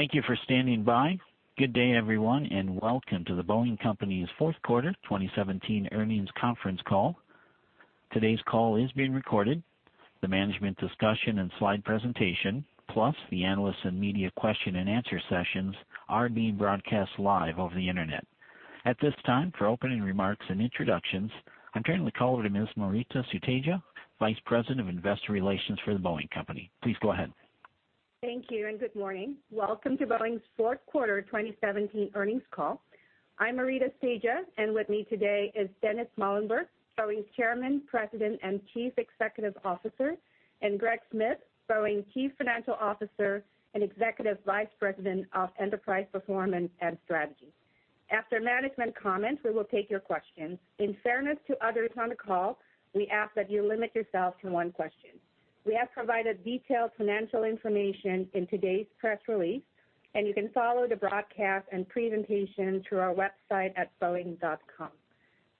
Thank you for standing by. Good day, everyone, and welcome to The Boeing Company's fourth quarter 2017 earnings conference call. Today's call is being recorded. The management discussion and slide presentation, plus the analyst and media question and answer sessions are being broadcast live over the internet. At this time, for opening remarks and introductions, I am turning the call over to Ms. Maurita Sutedja, Vice President of Investor Relations for The Boeing Company. Please go ahead. Thank you. Good morning. Welcome to Boeing's fourth quarter 2017 earnings call. I am Maurita Sutedja, and with me today is Dennis Muilenburg, Boeing's Chairman, President, and Chief Executive Officer, and Greg Smith, Boeing Chief Financial Officer and Executive Vice President of Enterprise Performance and Strategy. After management comments, we will take your questions. In fairness to others on the call, we ask that you limit yourself to one question. We have provided detailed financial information in today's press release, and you can follow the broadcast and presentation through our website at boeing.com.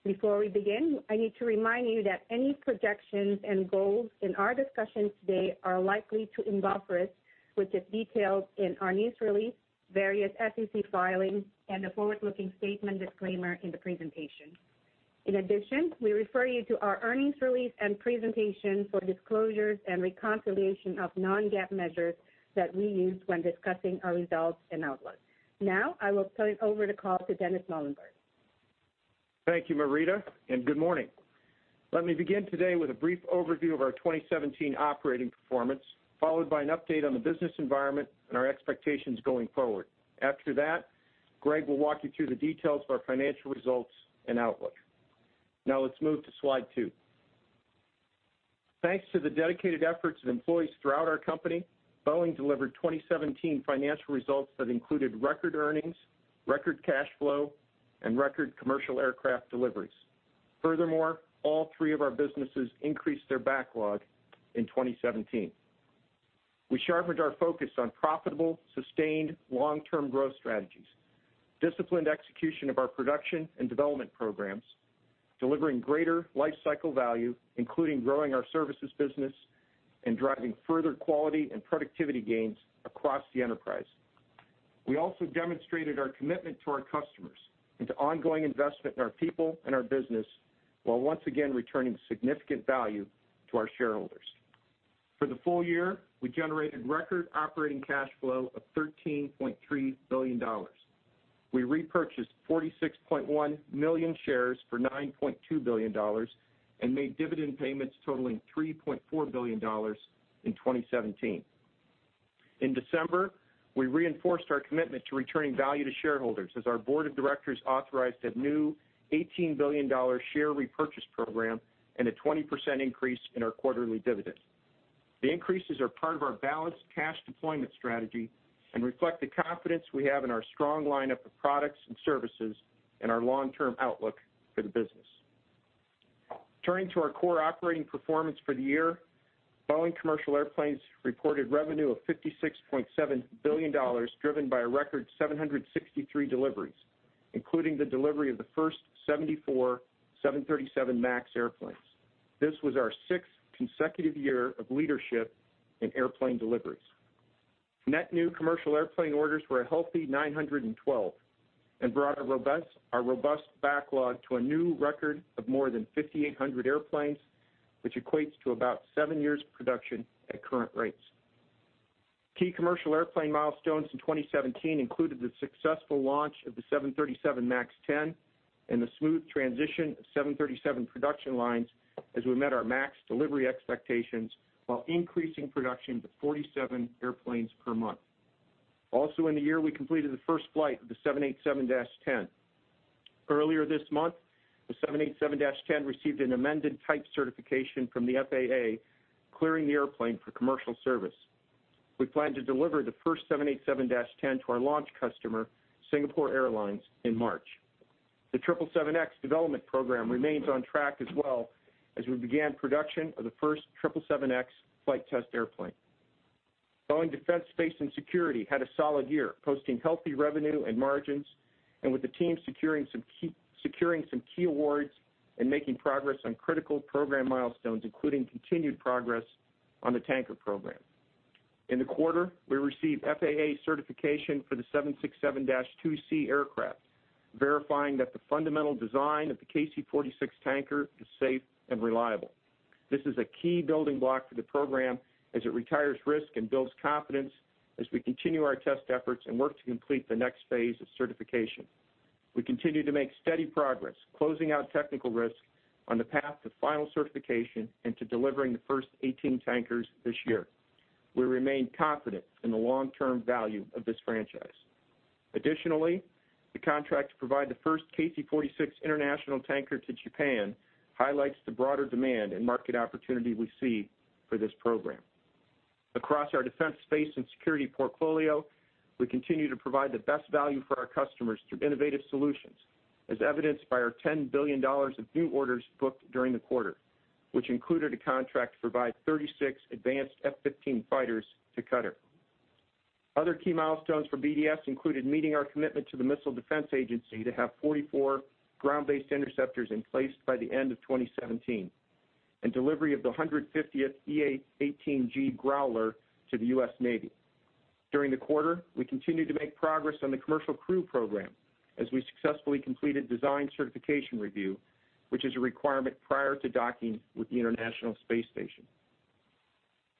Before we begin, I need to remind you that any projections and goals in our discussion today are likely to involve risk, which is detailed in our news release, various SEC filings, and the forward-looking statement disclaimer in the presentation. In addition, we refer you to our earnings release and presentation for disclosures and reconciliation of non-GAAP measures that we use when discussing our results and outlook. I will turn over the call to Dennis Muilenburg. Thank you, Maurita. Good morning. Let me begin today with a brief overview of our 2017 operating performance, followed by an update on the business environment and our expectations going forward. After that, Greg will walk you through the details of our financial results and outlook. Let's move to slide two. Thanks to the dedicated efforts of employees throughout our company, Boeing delivered 2017 financial results that included record earnings, record cash flow, and record commercial aircraft deliveries. Furthermore, all three of our businesses increased their backlog in 2017. We sharpened our focus on profitable, sustained long-term growth strategies, disciplined execution of our production and development programs, delivering greater life cycle value, including growing our services business, and driving further quality and productivity gains across the enterprise. We also demonstrated our commitment to our customers and to ongoing investment in our people and our business, while once again returning significant value to our shareholders. For the full year, we generated record operating cash flow of $13.3 billion. We repurchased 46.1 million shares for $9.2 billion and made dividend payments totaling $3.4 billion in 2017. In December, we reinforced our commitment to returning value to shareholders as our board of directors authorized a new $18 billion share repurchase program and a 20% increase in our quarterly dividend. The increases are part of our balanced cash deployment strategy and reflect the confidence we have in our strong lineup of products and services and our long-term outlook for the business. Turning to our core operating performance for the year, Boeing Commercial Airplanes reported revenue of $56.7 billion, driven by a record 763 deliveries, including the delivery of the first 737 MAX airplanes. This was our sixth consecutive year of leadership in airplane deliveries. Net new commercial airplane orders were a healthy 912 and brought our robust backlog to a new record of more than 5,800 airplanes, which equates to about seven years of production at current rates. Key commercial airplane milestones in 2017 included the successful launch of the 737 MAX 10 and the smooth transition of 737 production lines as we met our MAX delivery expectations while increasing production to 47 airplanes per month. Also in the year, we completed the first flight of the 787-10. Earlier this month, the 787-10 received an amended type certification from the FAA, clearing the airplane for commercial service. We plan to deliver the first 787-10 to our launch customer, Singapore Airlines, in March. The 777X development program remains on track as well as we began production of the first 777X flight test airplane. Boeing Defense, Space & Security had a solid year, posting healthy revenue and margins, and with the team securing some key awards and making progress on critical program milestones, including continued progress on the tanker program. In the quarter, we received FAA certification for the 767-2C aircraft, verifying that the fundamental design of the KC-46 tanker is safe and reliable. This is a key building block for the program as it retires risk and builds confidence as we continue our test efforts and work to complete the next phase of certification. We continue to make steady progress, closing out technical risk on the path to final certification and to delivering the first 18 tankers this year. We remain confident in the long-term value of this franchise. Additionally, the contract to provide the first KC-46 international tanker to Japan highlights the broader demand and market opportunity we see for this program. Across our defense space and security portfolio, we continue to provide the best value for our customers through innovative solutions, as evidenced by our $10 billion of new orders booked during the quarter, which included a contract to provide 36 advanced F-15 fighters to Qatar. Other key milestones for BDS included meeting our commitment to the Missile Defense Agency to have 44 ground-based interceptors in place by the end of 2017, and delivery of the 150th EA-18G Growler to the US Navy. During the quarter, we continued to make progress on the Commercial Crew Program as we successfully completed design certification review, which is a requirement prior to docking with the International Space Station.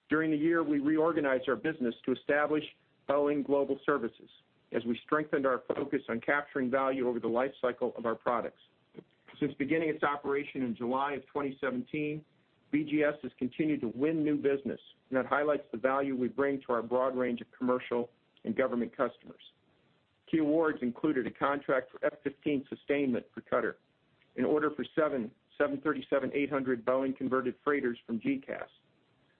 During the year, we reorganized our business to establish Boeing Global Services as we strengthened our focus on capturing value over the life cycle of our products. Since beginning its operation in July of 2017, BGS has continued to win new business. That highlights the value we bring to our broad range of commercial and government customers. Key awards included a contract for F-15 sustainment for Qatar, an order for seven 737-800 Boeing Converted Freighters from GECAS,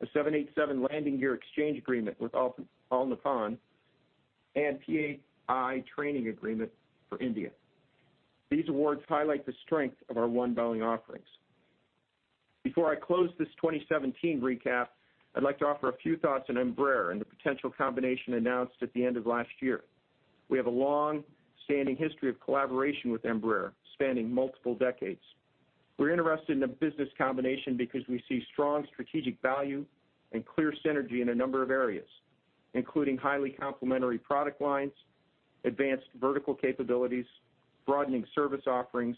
a 787 landing gear exchange agreement with All Nippon, and P-8I training agreement for India. These awards highlight the strength of our One Boeing offerings. Before I close this 2017 recap, I'd like to offer a few thoughts on Embraer and the potential combination announced at the end of last year. We have a longstanding history of collaboration with Embraer spanning multiple decades. We're interested in a business combination because we see strong strategic value and clear synergy in a number of areas, including highly complementary product lines, advanced vertical capabilities, broadening service offerings,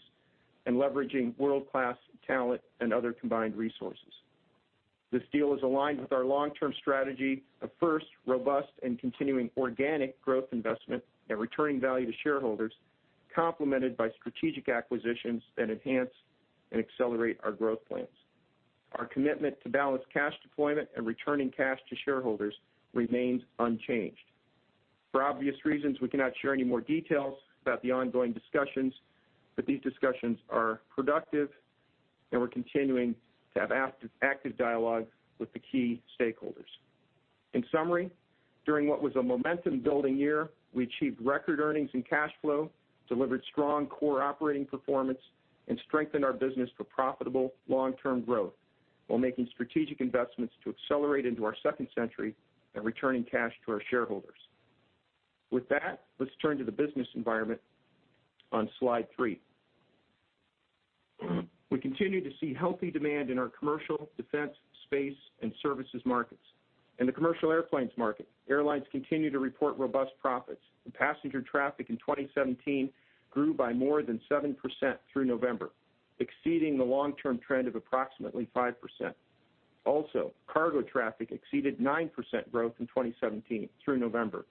and leveraging world-class talent and other combined resources. This deal is aligned with our long-term strategy of, first, robust and continuing organic growth investment and returning value to shareholders, complemented by strategic acquisitions that enhance and accelerate our growth plans. Our commitment to balanced cash deployment and returning cash to shareholders remains unchanged. For obvious reasons, we cannot share any more details about the ongoing discussions. These discussions are productive, and we're continuing to have active dialogue with the key stakeholders. In summary, during what was a momentum-building year, we achieved record earnings and cash flow, delivered strong core operating performance, and strengthened our business for profitable long-term growth while making strategic investments to accelerate into our second century and returning cash to our shareholders. With that, let's turn to the business environment on slide three. We continue to see healthy demand in our commercial, defense, space, and services markets. In the commercial airplanes market, airlines continue to report robust profits, and passenger traffic in 2017 grew by more than 7% through November, exceeding the long-term trend of approximately 5%. Cargo traffic exceeded 9% growth in 2017 through November,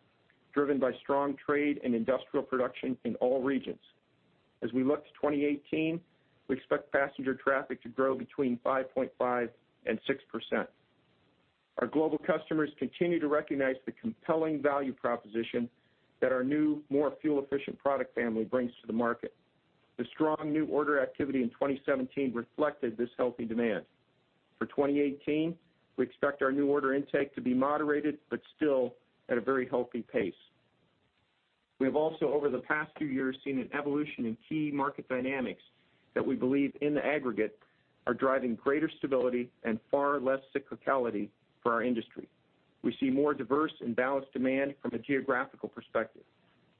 driven by strong trade and industrial production in all regions. As we look to 2018, we expect passenger traffic to grow between 5.5% and 6%. Our global customers continue to recognize the compelling value proposition that our new, more fuel-efficient product family brings to the market. The strong new order activity in 2017 reflected this healthy demand. For 2018, we expect our new order intake to be moderated, still at a very healthy pace. We have also, over the past few years, seen an evolution in key market dynamics that we believe, in the aggregate, are driving greater stability and far less cyclicality for our industry. We see more diverse and balanced demand from a geographical perspective,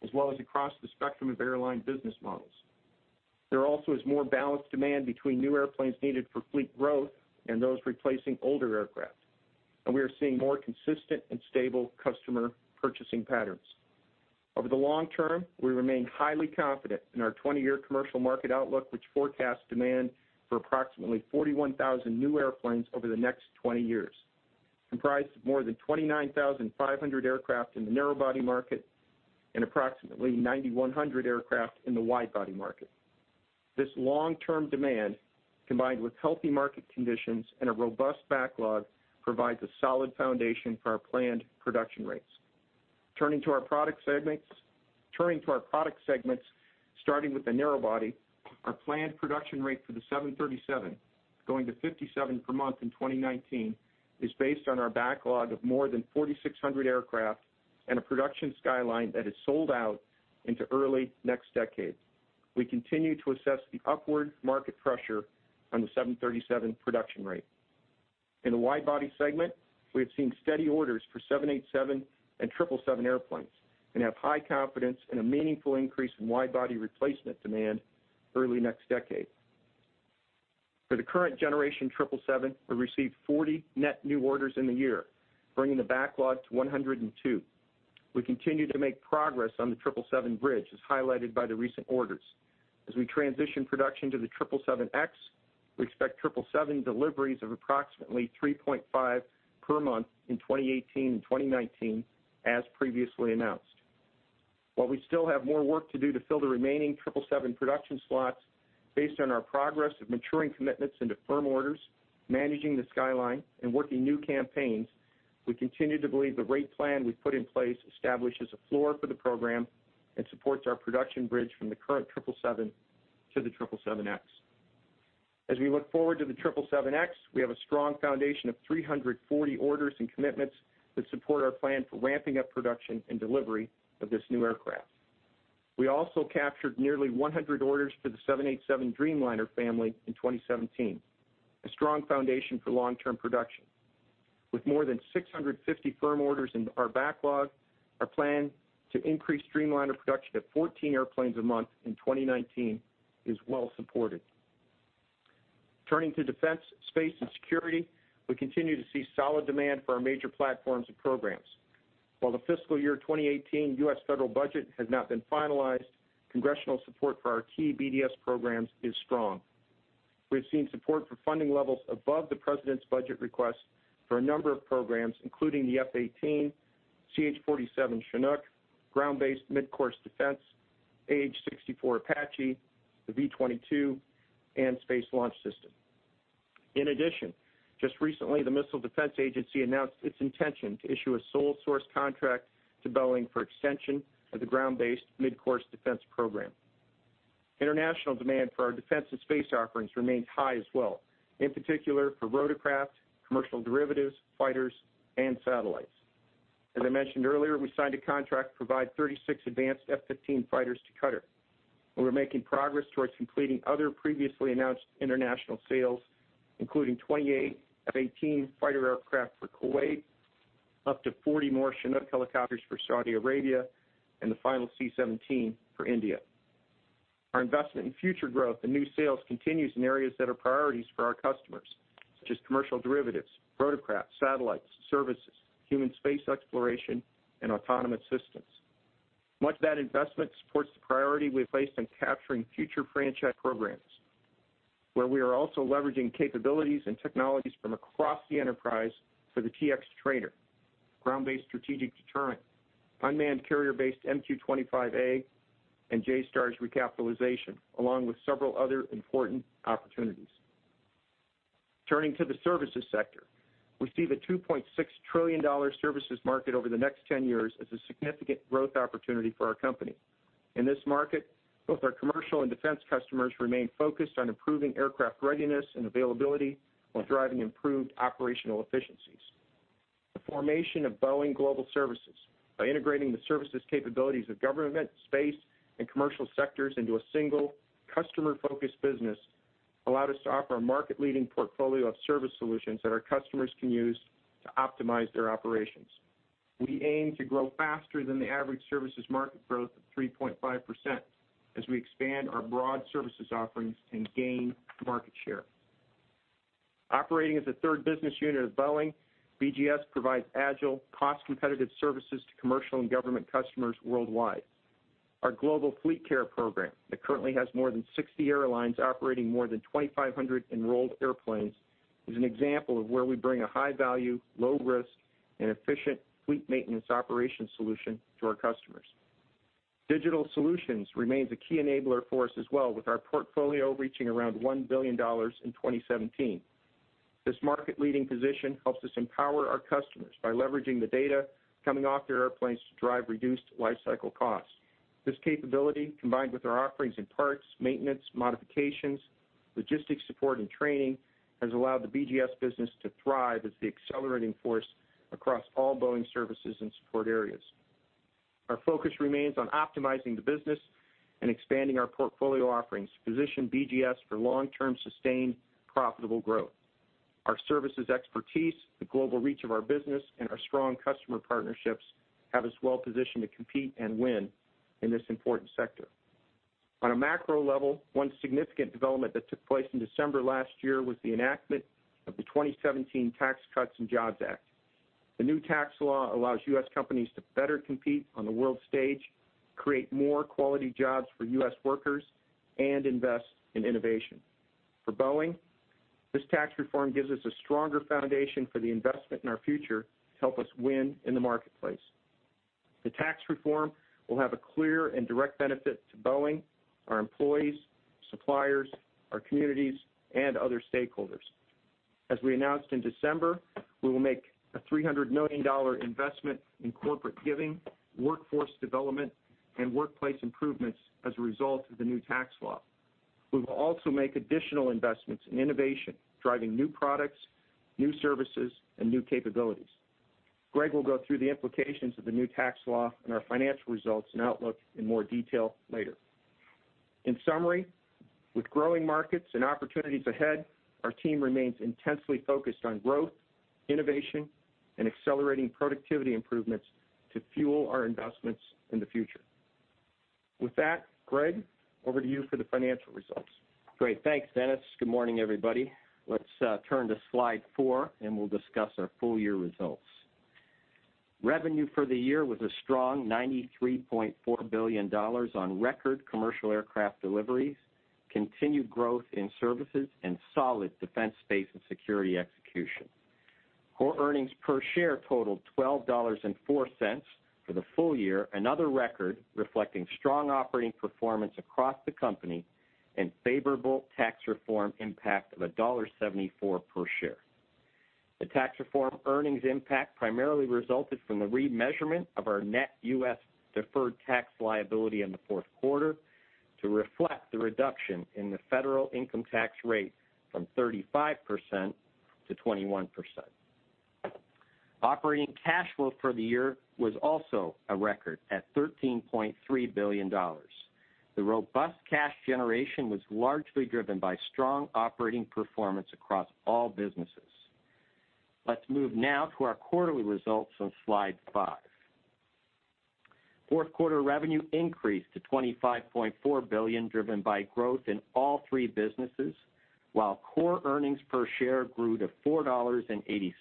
as well as across the spectrum of airline business models. There also is more balanced demand between new airplanes needed for fleet growth and those replacing older aircraft, and we are seeing more consistent and stable customer purchasing patterns. Over the long term, we remain highly confident in our 20-year commercial market outlook, which forecasts demand for approximately 41,000 new airplanes over the next 20 years, comprised of more than 29,500 aircraft in the narrow body market and approximately 9,100 aircraft in the wide body market. This long-term demand, combined with healthy market conditions and a robust backlog, provides a solid foundation for our planned production rates. Turning to our product segments, starting with the narrow body, our planned production rate for the 737, going to 57 per month in 2019, is based on our backlog of more than 4,600 aircraft and a production skyline that is sold out into early next decade. We continue to assess the upward market pressure on the 737 production rate. In the wide body segment, we have seen steady orders for 787 and 777 airplanes and have high confidence in a meaningful increase in wide-body replacement demand early next decade. For the current generation 777, we received 40 net new orders in the year, bringing the backlog to 102. We continue to make progress on the 777 bridge, as highlighted by the recent orders. As we transition production to the 777X, we expect 777 deliveries of approximately 3.5 per month in 2018 and 2019, as previously announced. While we still have more work to do to fill the remaining 777 production slots, based on our progress of maturing commitments into firm orders, managing the skyline, and working new campaigns, we continue to believe the rate plan we put in place establishes a floor for the program and supports our production bridge from the current 777 to the 777X. As we look forward to the 777X, we have a strong foundation of 340 orders and commitments that support our plan for ramping up production and delivery of this new aircraft. We also captured nearly 100 orders for the 787 Dreamliner family in 2017, a strong foundation for long-term production. With more than 650 firm orders in our backlog, our plan to increase Dreamliner production to 14 airplanes a month in 2019 is well supported. Turning to defense, space, and security, we continue to see solid demand for our major platforms and programs. While the fiscal year 2018 U.S. federal budget has not been finalized, congressional support for our key BDS programs is strong. We've seen support for funding levels above the president's budget request for a number of programs, including the F-18, CH-47 Chinook, Ground-based Midcourse Defense, AH-64 Apache, the V-22, and Space Launch System. In addition, just recently, the Missile Defense Agency announced its intention to issue a sole-source contract to Boeing for extension of the Ground-based Midcourse Defense program. International demand for our defense and space offerings remains high as well, in particular, for rotorcraft, commercial derivatives, fighters, and satellites. As I mentioned earlier, we signed a contract to provide 36 advanced F-15 fighters to Qatar. We're making progress towards completing other previously announced international sales, including 28 F-18 fighter aircraft for Kuwait, up to 40 more Chinook helicopters for Saudi Arabia, and the final C-17 for India. Our investment in future growth and new sales continues in areas that are priorities for our customers, such as commercial derivatives, rotorcraft, satellites, services, human space exploration, and autonomous systems. Much of that investment supports the priority we've placed on capturing future franchise programs, where we are also leveraging capabilities and technologies from across the enterprise for the T-X trainer, Ground Based Strategic Deterrent, unmanned carrier-based MQ-25A, and JSTARS recapitalization, along with several other important opportunities. Turning to the services sector, we see the $2.6 trillion services market over the next 10 years as a significant growth opportunity for our company. In this market, both our commercial and defense customers remain focused on improving aircraft readiness and availability while driving improved operational efficiencies. The formation of Boeing Global Services, by integrating the services capabilities of government, space, and commercial sectors into a single customer-focused business, allow us to offer a market-leading portfolio of service solutions that our customers can use to optimize their operations. We aim to grow faster than the average services market growth of 3.5% as we expand our broad services offerings and gain market share. Operating as a third business unit of Boeing, BGS provides agile, cost-competitive services to commercial and government customers worldwide. Our Global Fleet Care program that currently has more than 60 airlines operating more than 2,500 enrolled airplanes is an example of where we bring a high-value, low-risk, and efficient fleet maintenance operations solution to our customers. Digital solutions remains a key enabler for us as well with our portfolio reaching around $1 billion in 2017. This market-leading position helps us empower our customers by leveraging the data coming off their airplanes to drive reduced lifecycle costs. This capability, combined with our offerings in parts, maintenance, modifications, logistics support, and training, has allowed the BGS business to thrive as the accelerating force across all Boeing services and support areas. Our focus remains on optimizing the business and expanding our portfolio offerings to position BGS for long-term sustained profitable growth. Our services expertise, the global reach of our business, and our strong customer partnerships have us well positioned to compete and win in this important sector. On a macro level, one significant development that took place in December last year was the enactment of the 2017 Tax Cuts and Jobs Act. The new tax law allows U.S. companies to better compete on the world stage, create more quality jobs for U.S. workers, and invest in innovation. For Boeing, this tax reform gives us a stronger foundation for the investment in our future to help us win in the marketplace. The tax reform will have a clear and direct benefit to Boeing, our employees, suppliers, our communities, and other stakeholders. As we announced in December, we will make a $300 million investment in corporate giving, workforce development, and workplace improvements as a result of the new tax law. We will also make additional investments in innovation, driving new products, new services, and new capabilities. Greg will go through the implications of the new tax law and our financial results and outlook in more detail later. In summary, with growing markets and opportunities ahead, our team remains intensely focused on growth, innovation, and accelerating productivity improvements to fuel our investments in the future. With that, Greg, over to you for the financial results. Great. Thanks, Dennis. Good morning, everybody. Let's turn to slide four, we'll discuss our full-year results. Revenue for the year was a strong $93.4 billion on record commercial aircraft deliveries, continued growth in services, and solid defense, space, and security execution. Core earnings per share totaled $12.04 for the full year, another record reflecting strong operating performance across the company and favorable tax reform impact of $1.74 per share. The tax reform earnings impact primarily resulted from the remeasurement of our net U.S. deferred tax liability in the fourth quarter to reflect the reduction in the federal income tax rate from 35% to 21%. Operating cash flow for the year was also a record at $13.3 billion. The robust cash generation was largely driven by strong operating performance across all businesses. Let's move now to our quarterly results on slide five. Fourth quarter revenue increased to $25.4 billion, driven by growth in all three businesses, while core earnings per share grew to $4.80,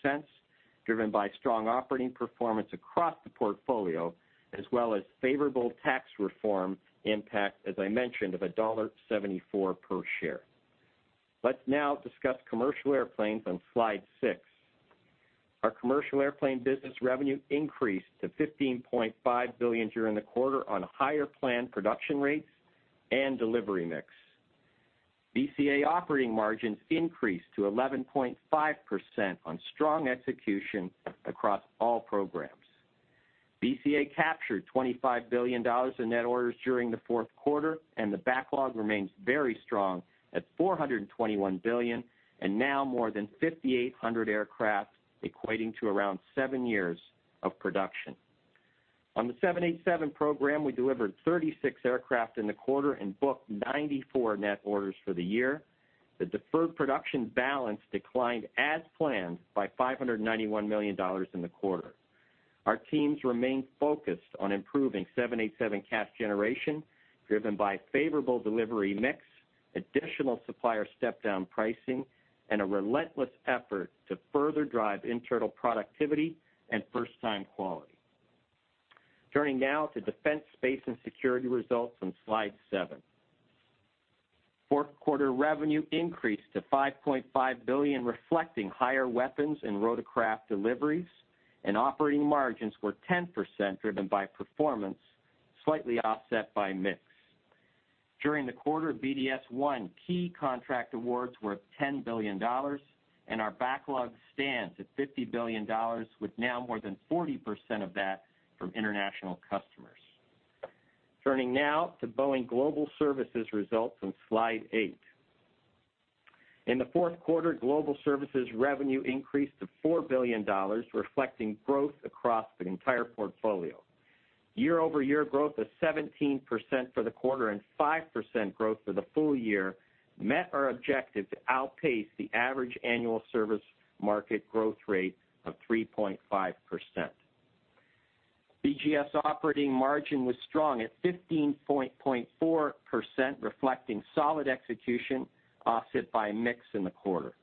driven by strong operating performance across the portfolio as well as favorable tax reform impact, as I mentioned, of $1.74 per share. Let's now discuss Commercial Airplanes on slide six. Our Commercial Airplane business revenue increased to $15.5 billion during the quarter on higher planned production rates and delivery mix. BCA operating margins increased to 11.5% on strong execution across all programs. BCA captured $25 billion in net orders during the fourth quarter, the backlog remains very strong at $421 billion and now more than 5,800 aircraft, equating to around seven years of production. On the 787 program, we delivered 36 aircraft in the quarter and booked 94 net orders for the year. The deferred production balance declined as planned by $591 million in the quarter. Our teams remain focused on improving 787 cash generation, driven by favorable delivery mix, additional supplier step-down pricing, and a relentless effort to further drive internal productivity and first-time quality. Turning now to Defense, Space & Security results on slide seven. Fourth quarter revenue increased to $5.5 billion, reflecting higher weapons and rotorcraft deliveries, operating margins were 10%, driven by performance, slightly offset by mix. During the quarter, BDS won key contract awards worth $10 billion, our backlog stands at $50 billion, with now more than 40% of that from international customers. Turning now to Boeing Global Services results on slide eight. In the fourth quarter, Global Services revenue increased to $4 billion, reflecting growth across the entire portfolio. Year-over-year growth of 17% for the quarter and 5% growth for the full year met our objective to outpace the average annual service market growth rate of 3.5%. BGS operating margin was strong at 15.4%, reflecting solid execution offset by mix in the quarter.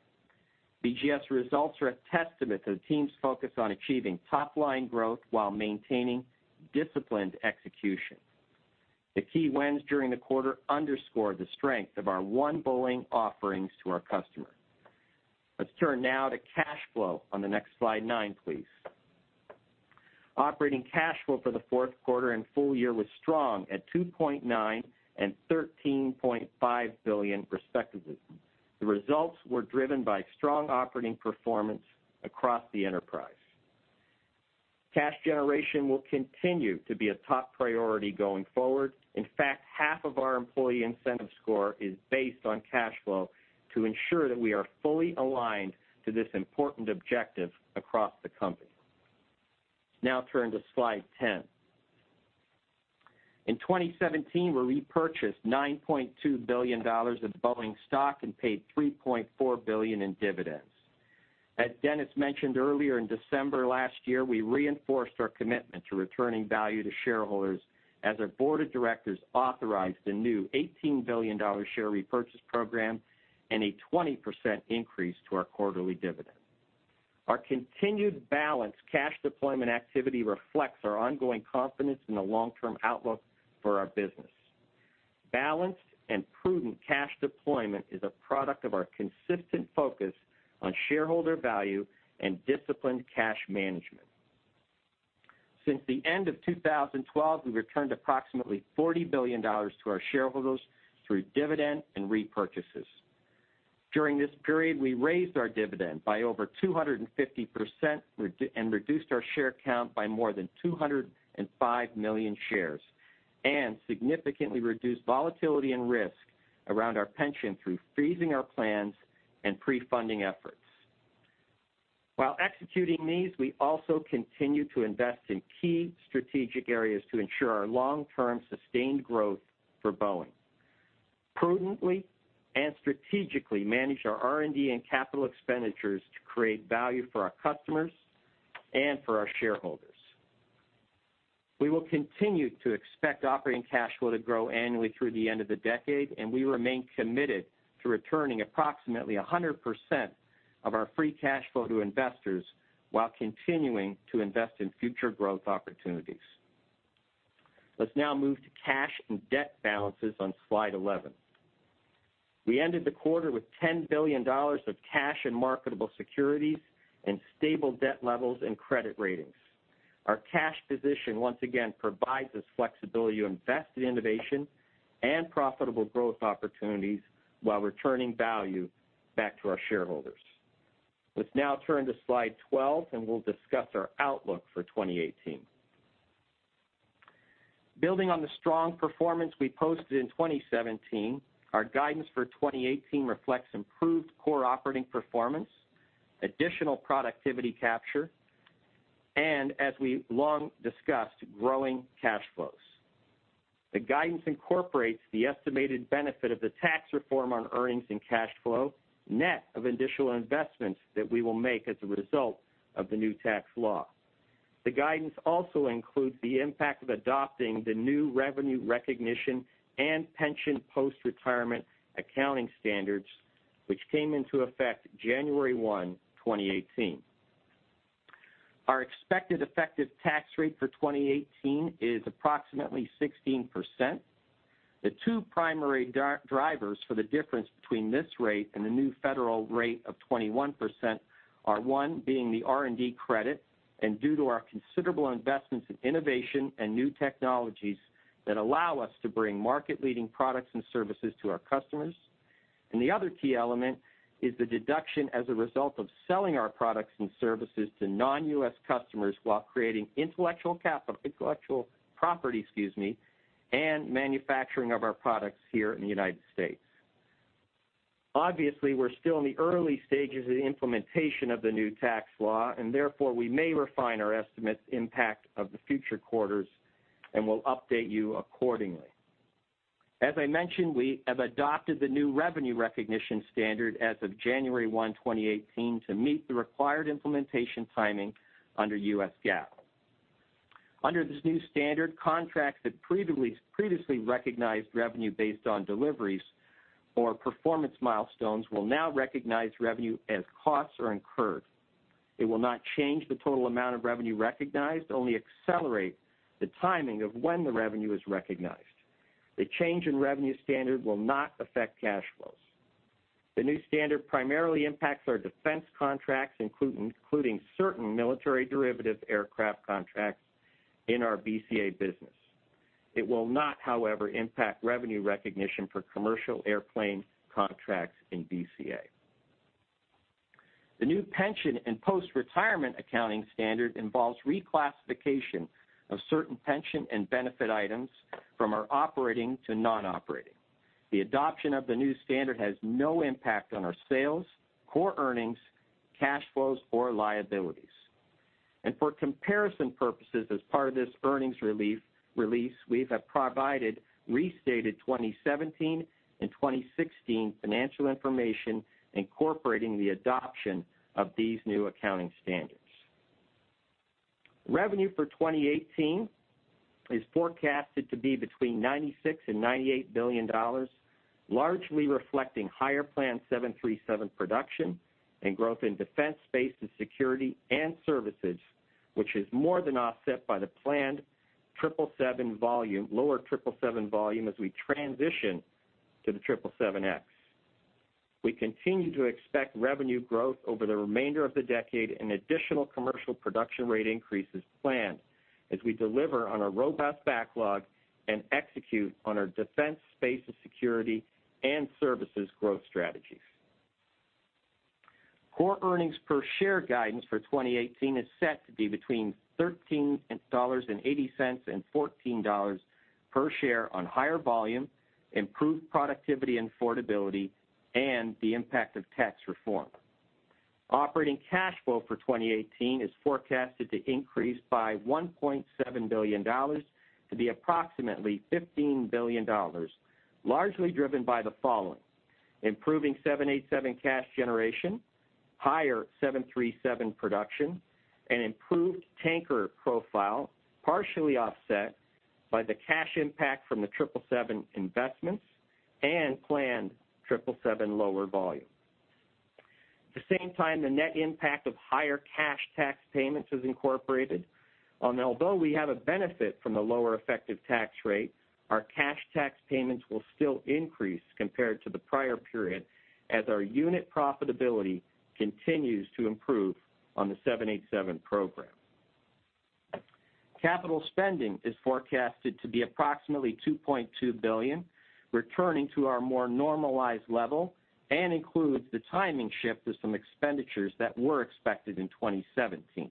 BGS results are a testament to the team's focus on achieving top-line growth while maintaining disciplined execution. The key wins during the quarter underscore the strength of our One Boeing offerings to our customer. Let's turn now to cash flow on the next, slide nine, please. Operating cash flow for the fourth quarter and full year was strong at $2.9 billion and $13.5 billion, respectively. The results were driven by strong operating performance across the enterprise. Cash generation will continue to be a top priority going forward. In fact, half of our employee incentive score is based on cash flow to ensure that we are fully aligned to this important objective across the company. Turn to slide 10. In 2017, we repurchased $9.2 billion of Boeing stock and paid $3.4 billion in dividends. As Dennis mentioned earlier, in December last year, we reinforced our commitment to returning value to shareholders as our board of directors authorized a new $18 billion share repurchase program and a 20% increase to our quarterly dividend. Our continued balanced cash deployment activity reflects our ongoing confidence in the long-term outlook for our business. Balanced and prudent cash deployment is a product of our consistent focus on shareholder value and disciplined cash management. Since the end of 2012, we returned approximately $40 billion to our shareholders through dividend and repurchases. During this period, we raised our dividend by over 250% and reduced our share count by more than 205 million shares, and significantly reduced volatility and risk around our pension through freezing our plans and pre-funding efforts. While executing these, we also continue to invest in key strategic areas to ensure our long-term sustained growth for Boeing. Prudently and strategically manage our R&D and capital expenditures to create value for our customers and for our shareholders. We will continue to expect operating cash flow to grow annually through the end of the decade, we remain committed to returning approximately 100% of our free cash flow to investors while continuing to invest in future growth opportunities. Let's now move to cash and debt balances on slide 11. We ended the quarter with $10 billion of cash and marketable securities and stable debt levels and credit ratings. Our cash position once again provides us flexibility to invest in innovation and profitable growth opportunities while returning value back to our shareholders. Let's now turn to slide 12, we'll discuss our outlook for 2018. Building on the strong performance we posted in 2017, our guidance for 2018 reflects improved core operating performance, additional productivity capture, and as we long discussed, growing cash flows. The guidance incorporates the estimated benefit of the tax reform on earnings and cash flow, net of initial investments that we will make as a result of the new tax law. The guidance also includes the impact of adopting the new revenue recognition and pension post-retirement accounting standards, which came into effect January 1, 2018. Our expected effective tax rate for 2018 is approximately 16%. The two primary drivers for the difference between this rate and the new federal rate of 21% are one, being the R&D credit, due to our considerable investments in innovation and new technologies that allow us to bring market-leading products and services to our customers. The other key element is the deduction as a result of selling our products and services to non-U.S. customers while creating intellectual property, excuse me, and manufacturing of our products here in the United States. Obviously, we're still in the early stages of the implementation of the new tax law, therefore we may refine our estimates impact of the future quarters, we'll update you accordingly. As I mentioned, we have adopted the new revenue recognition standard as of January 1, 2018, to meet the required implementation timing under U.S. GAAP. Under this new standard, contracts that previously recognized revenue based on deliveries or performance milestones will now recognize revenue as costs are incurred. It will not change the total amount of revenue recognized, only accelerate the timing of when the revenue is recognized. The change in revenue standard will not affect cash flows. The new standard primarily impacts our defense contracts, including certain military derivative aircraft contracts in our BCA business. It will not, however, impact revenue recognition for commercial airplane contracts in BCA. The new pension and post-retirement accounting standard involves reclassification of certain pension and benefit items from our operating to non-operating. The adoption of the new standard has no impact on our sales, core earnings, cash flows, or liabilities. For comparison purposes, as part of this earnings release, we have provided restated 2017 and 2016 financial information incorporating the adoption of these new accounting standards. Revenue for 2018 is forecasted to be between $96 billion-$98 billion, largely reflecting higher planned 737 production and growth in Boeing Defense, Space & Security and services, which is more than offset by the planned lower 777 volume as we transition to the 777X. We continue to expect revenue growth over the remainder of the decade and additional commercial production rate increases planned as we deliver on our robust backlog and execute on our Boeing Defense, Space & Security and services growth strategies. Core earnings per share guidance for 2018 is set to be between $13.80-$14 per share on higher volume, improved productivity and affordability, and the impact of tax reform. Operating cash flow for 2018 is forecasted to increase by $1.7 billion to be approximately $15 billion, largely driven by the following, improving 787 cash generation, higher 737 production, and improved tanker profile, partially offset by the cash impact from the 777 investments and planned 777 lower volume. At the same time, the net impact of higher cash tax payments is incorporated. Although we have a benefit from the lower effective tax rate, our cash tax payments will still increase compared to the prior period as our unit profitability continues to improve on the 787 program. Capital spending is forecasted to be approximately $2.2 billion, returning to our more normalized level and includes the timing shift of some expenditures that were expected in 2017.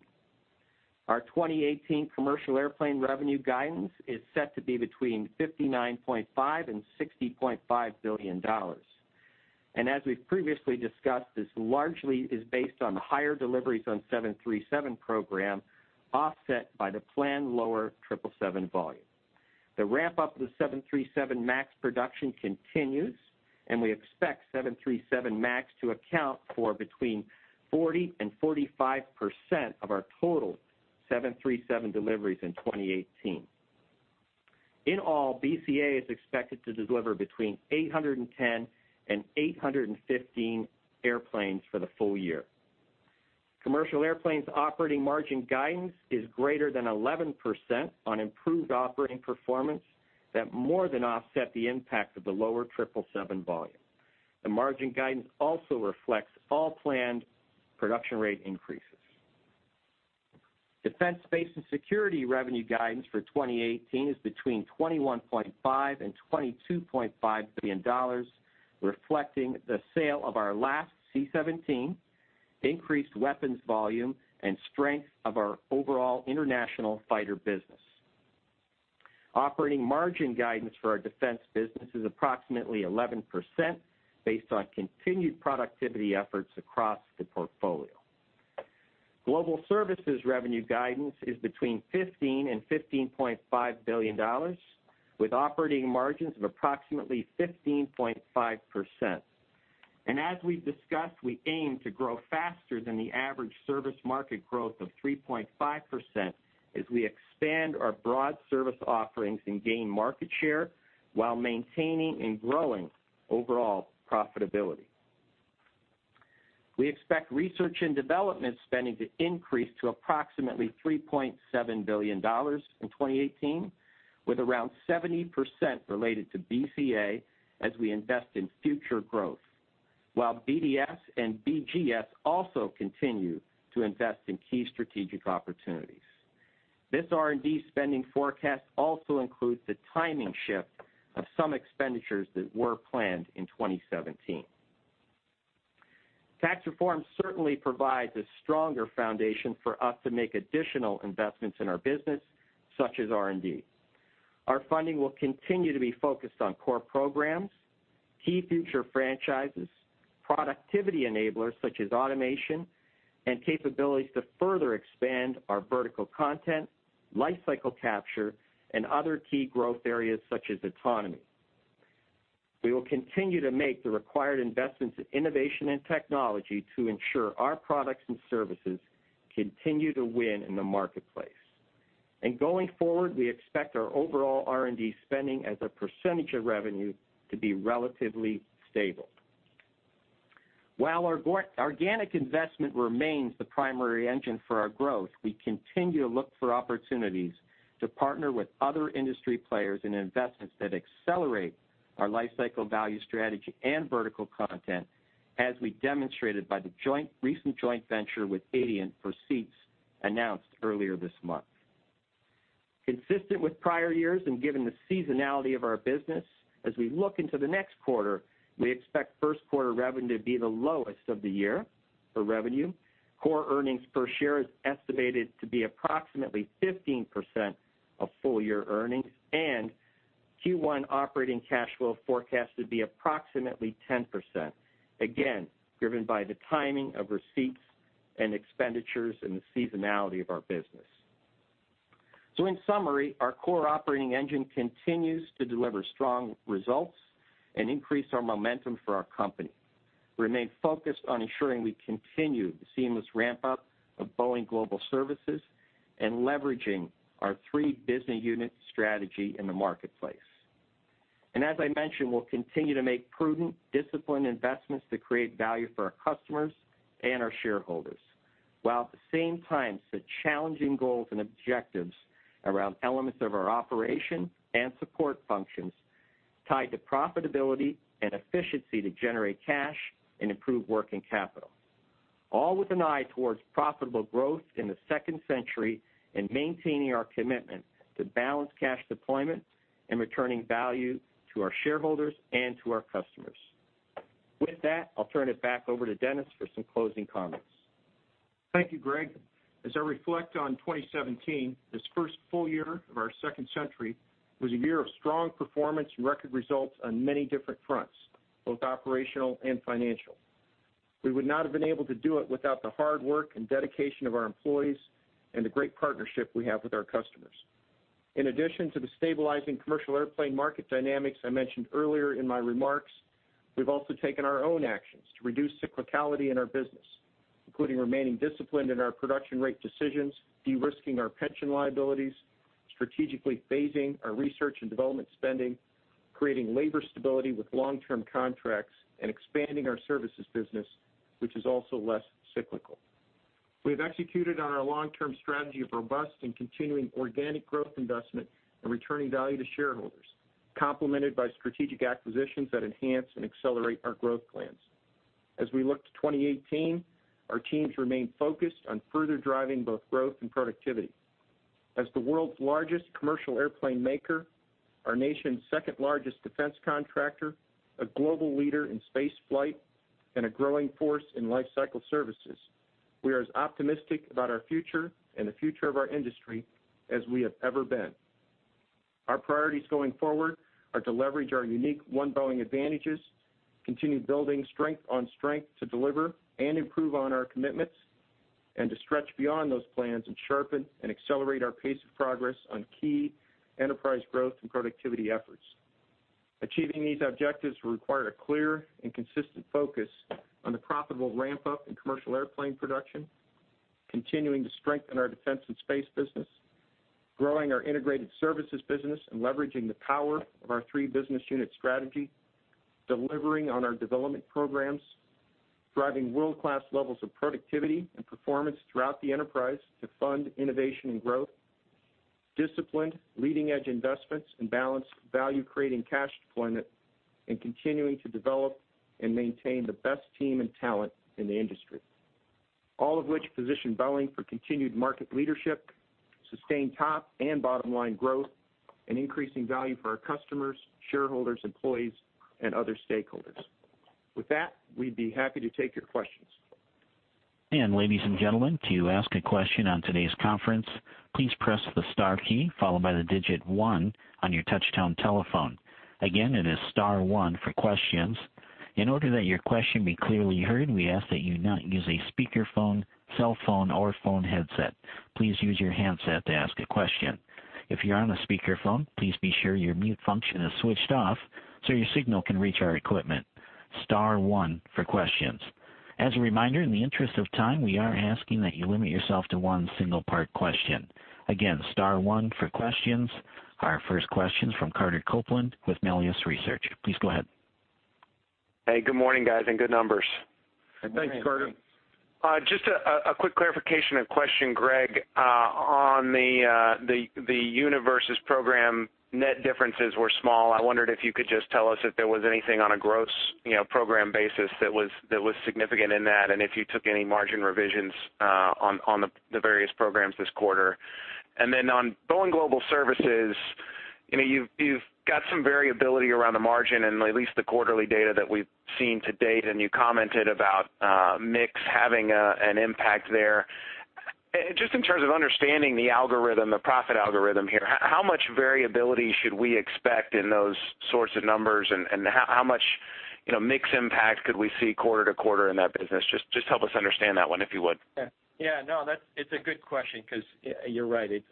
Our 2018 commercial airplane revenue guidance is set to be between $59.5 billion-$60.5 billion. As we've previously discussed, this largely is based on higher deliveries on 737 program, offset by the planned lower 777 volume. The ramp-up to 737 MAX production continues, and we expect 737 MAX to account for between 40%-45% of our total 737 deliveries in 2018. In all, BCA is expected to deliver between 810-815 airplanes for the full year. Commercial airplanes operating margin guidance is greater than 11% on improved operating performance that more than offset the impact of the lower 777 volume. The margin guidance also reflects all planned production rate increases. Boeing Defense, Space & Security revenue guidance for 2018 is between $21.5 billion-$22.5 billion, reflecting the sale of our last C-17 Increased weapons volume and strength of our overall international fighter business. Operating margin guidance for our defense business is approximately 11%, based on continued productivity efforts across the portfolio. Boeing Global Services revenue guidance is between $15 billion-$15.5 billion, with operating margins of approximately 15.5%. As we've discussed, we aim to grow faster than the average service market growth of 3.5% as we expand our broad service offerings and gain market share while maintaining and growing overall profitability. We expect research and development spending to increase to approximately $3.7 billion in 2018, with around 70% related to BCA as we invest in future growth, while BDS and BGS also continue to invest in key strategic opportunities. This R&D spending forecast also includes the timing shift of some expenditures that were planned in 2017. Tax reform certainly provides a stronger foundation for us to make additional investments in our business, such as R&D. Our funding will continue to be focused on core programs, key future franchises, productivity enablers such as automation and capabilities to further expand our vertical content, life cycle capture, and other key growth areas such as autonomy. We will continue to make the required investments in innovation and technology to ensure our products and services continue to win in the marketplace. Going forward, we expect our overall R&D spending as a percentage of revenue to be relatively stable. While our organic investment remains the primary engine for our growth, we continue to look for opportunities to partner with other industry players in investments that accelerate our life cycle value strategy and vertical content, as we demonstrated by the recent joint venture with Adient for seats announced earlier this month. Consistent with prior years and given the seasonality of our business, as we look into the next quarter, we expect first quarter revenue to be the lowest of the year for revenue. Core earnings per share is estimated to be approximately 15% of full-year earnings, and Q1 operating cash flow forecast to be approximately 10%. Again, driven by the timing of receipts and expenditures and the seasonality of our business. In summary, our core operating engine continues to deliver strong results and increase our momentum for our company. Remain focused on ensuring we continue the seamless ramp-up of Boeing Global Services and leveraging our three business unit strategy in the marketplace. As I mentioned, we'll continue to make prudent, disciplined investments to create value for our customers and our shareholders, while at the same time set challenging goals and objectives around elements of our operation and support functions tied to profitability and efficiency to generate cash and improve working capital. All with an eye towards profitable growth in the second century and maintaining our commitment to balanced cash deployment and returning value to our shareholders and to our customers. With that, I'll turn it back over to Dennis for some closing comments. Thank you, Greg. As I reflect on 2017, this first full year of our second century was a year of strong performance and record results on many different fronts, both operational and financial. We would not have been able to do it without the hard work and dedication of our employees and the great partnership we have with our customers. In addition to the stabilizing commercial airplane market dynamics I mentioned earlier in my remarks, we've also taken our own actions to reduce cyclicality in our business, including remaining disciplined in our production rate decisions, de-risking our pension liabilities, strategically phasing our research and development spending, creating labor stability with long-term contracts, and expanding our services business, which is also less cyclical. We have executed on our long-term strategy of robust and continuing organic growth investment and returning value to shareholders, complemented by strategic acquisitions that enhance and accelerate our growth plans. As we look to 2018, our teams remain focused on further driving both growth and productivity. As the world's largest commercial airplane maker, our nation's second-largest defense contractor, a global leader in space flight, and a growing force in life cycle services, we are as optimistic about our future and the future of our industry as we have ever been. Our priorities going forward are to leverage our unique One Boeing advantages, continue building strength on strength to deliver and improve on our commitments, and to stretch beyond those plans and sharpen and accelerate our pace of progress on key enterprise growth and productivity efforts. Achieving these objectives will require a clear and consistent focus on the profitable ramp-up in commercial airplane production, continuing to strengthen our defense and space business, growing our integrated services business and leveraging the power of our three business unit strategy, delivering on our development programs, driving world-class levels of productivity and performance throughout the enterprise to fund innovation and growth, disciplined, leading-edge investments and balanced value-creating cash deployment, and continuing to develop and maintain the best team and talent in the industry. All of which position Boeing for continued market leadership, sustained top and bottom line growth, and increasing value for our customers, shareholders, employees, and other stakeholders. With that, we'd be happy to take your questions. Ladies and gentlemen, to ask a question on today's conference, please press the star key, followed by the digit one on your touchtone telephone. Again, it is star one for questions. In order that your question be clearly heard, we ask that you not use a speakerphone, cell phone or phone headset. Please use your handset to ask a question. If you're on a speakerphone, please be sure your mute function is switched off so your signal can reach our equipment. Star one for questions. As a reminder, in the interest of time, we are asking that you limit yourself to one single part question. Again, star one for questions. Our first question's from Carter Copeland with Melius Research. Please go ahead. Hey, good morning, guys, and good numbers. Thanks, Carter. Just a quick clarification of question, Greg, on the unit versus program, net differences were small. I wondered if you could just tell us if there was anything on a gross program basis that was significant in that, and if you took any margin revisions on the various programs this quarter. Then on Boeing Global Services, you've got some variability around the margin and at least the quarterly data that we've seen to date, and you commented about mix having an impact there. Just in terms of understanding the algorithm, the profit algorithm here, how much variability should we expect in those sorts of numbers, and how much mix impact could we see quarter to quarter in that business? Just help us understand that one, if you would. Yeah. No, it's a good question because you're right. It's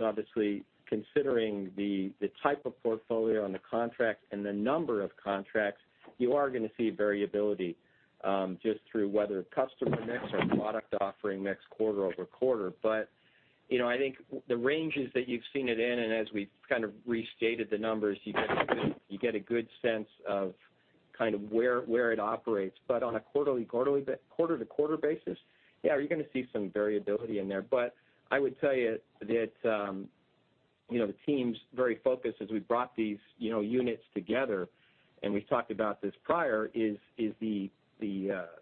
obviously considering the type of portfolio on the contract and the number of contracts, you are going to see variability, just through whether customer mix or product offering mix quarter-over-quarter. I think the ranges that you've seen it in, and as we kind of restated the numbers, you get a good sense of kind of where it operates. On a quarter to quarter basis, yeah, you're going to see some variability in there. I would tell you that the team's very focused as we brought these units together, and we've talked about this prior, is the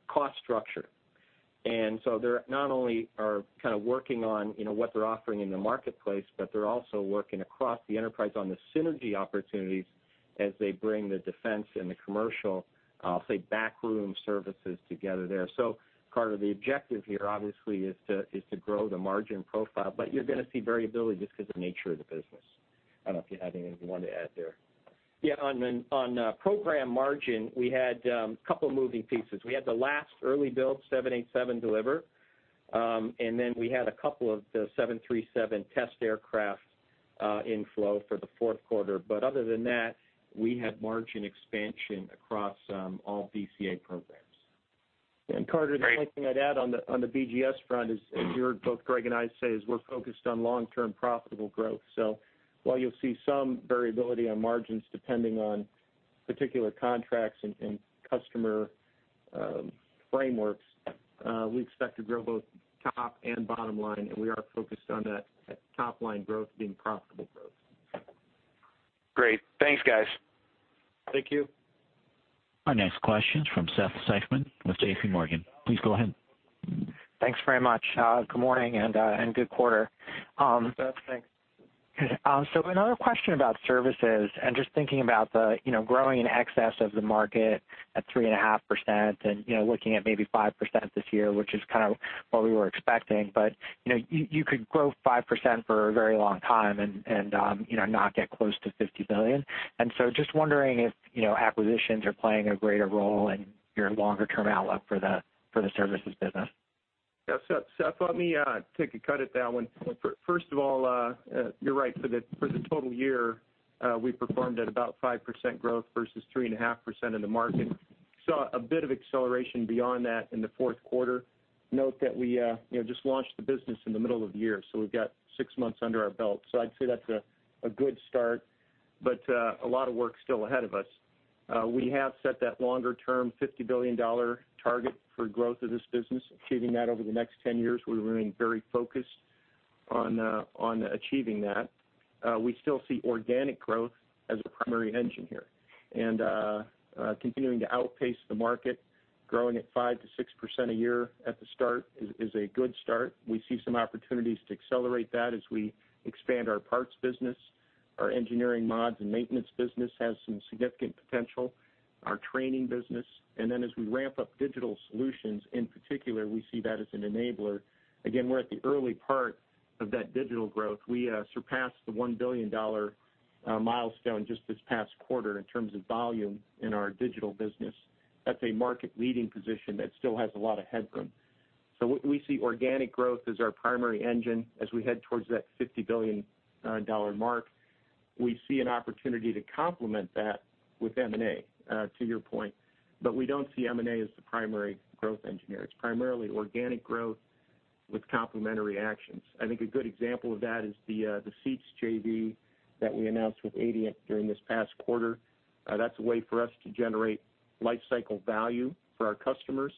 cost structure. They not only are kind of working on what they're offering in the marketplace, but they're also working across the enterprise on the synergy opportunities as they bring the defense and the commercial, I'll say, back room services together there. Carter, the objective here obviously is to grow the margin profile, you're going to see variability just because of the nature of the business. I don't know if you have anything you wanted to add there. Yeah, on program margin, we had a couple moving pieces. We had the last early build 787 deliver, then we had a couple of the 737 test aircraft inflow for the fourth quarter. Other than that, we had margin expansion across all BCA programs. Carter, the only thing I'd add on the BGS front is, as you heard both Greg and I say, we're focused on long-term profitable growth. While you'll see some variability on margins depending on particular contracts and customer frameworks, we expect to grow both top and bottom line, and we are focused on that top line growth being profitable growth. Great. Thanks, guys. Thank you. Our next question is from Seth Seifman with JP Morgan. Please go ahead. Thanks very much. Good morning, and good quarter. Seth, thanks. Another question about services and just thinking about the growing in excess of the market at 3.5% and looking at maybe 5% this year, which is kind of what we were expecting. You could grow 5% for a very long time and not get close to $50 billion. Just wondering if acquisitions are playing a greater role in your longer term outlook for the services business. Yeah, Seth, let me take a cut at that one. First of all, you're right. For the total year, we performed at about 5% growth versus 3.5% in the market. Saw a bit of acceleration beyond that in the fourth quarter. Note that we just launched the business in the middle of the year, so we've got six months under our belt. I'd say that's a good start, but a lot of work still ahead of us. We have set that longer term $50 billion target for growth of this business, achieving that over the next 10 years. We remain very focused on achieving that. We still see organic growth as a primary engine here. Continuing to outpace the market, growing at 5%-6% a year at the start is a good start. We see some opportunities to accelerate that as we expand our parts business. Our engineering mods and maintenance business has some significant potential. Our training business. As we ramp up digital solutions, in particular, we see that as an enabler. We're at the early part of that digital growth. We surpassed the $1 billion milestone just this past quarter in terms of volume in our digital business. That's a market leading position that still has a lot of headroom. We see organic growth as our primary engine as we head towards that $50 billion mark. We see an opportunity to complement that with M&A, to your point, but we don't see M&A as the primary growth engine here. It's primarily organic growth with complementary actions. I think a good example of that is the seats JV that we announced with Adient during this past quarter. That's a way for us to generate life cycle value for our customers.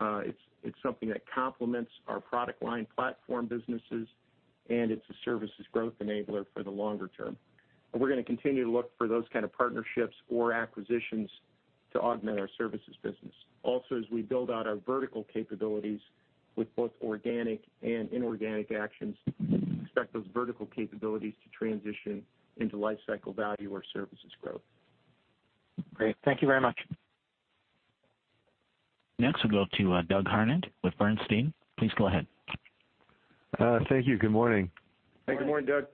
It's something that complements our product line platform businesses, and it's a services growth enabler for the longer term. We're going to continue to look for those kind of partnerships or acquisitions to augment our services business. As we build out our vertical capabilities with both organic and inorganic actions, expect those vertical capabilities to transition into life cycle value or services growth. Great. Thank you very much. Next, we'll go to Doug Harned with Bernstein. Please go ahead. Thank you. Good morning. Good morning, Doug.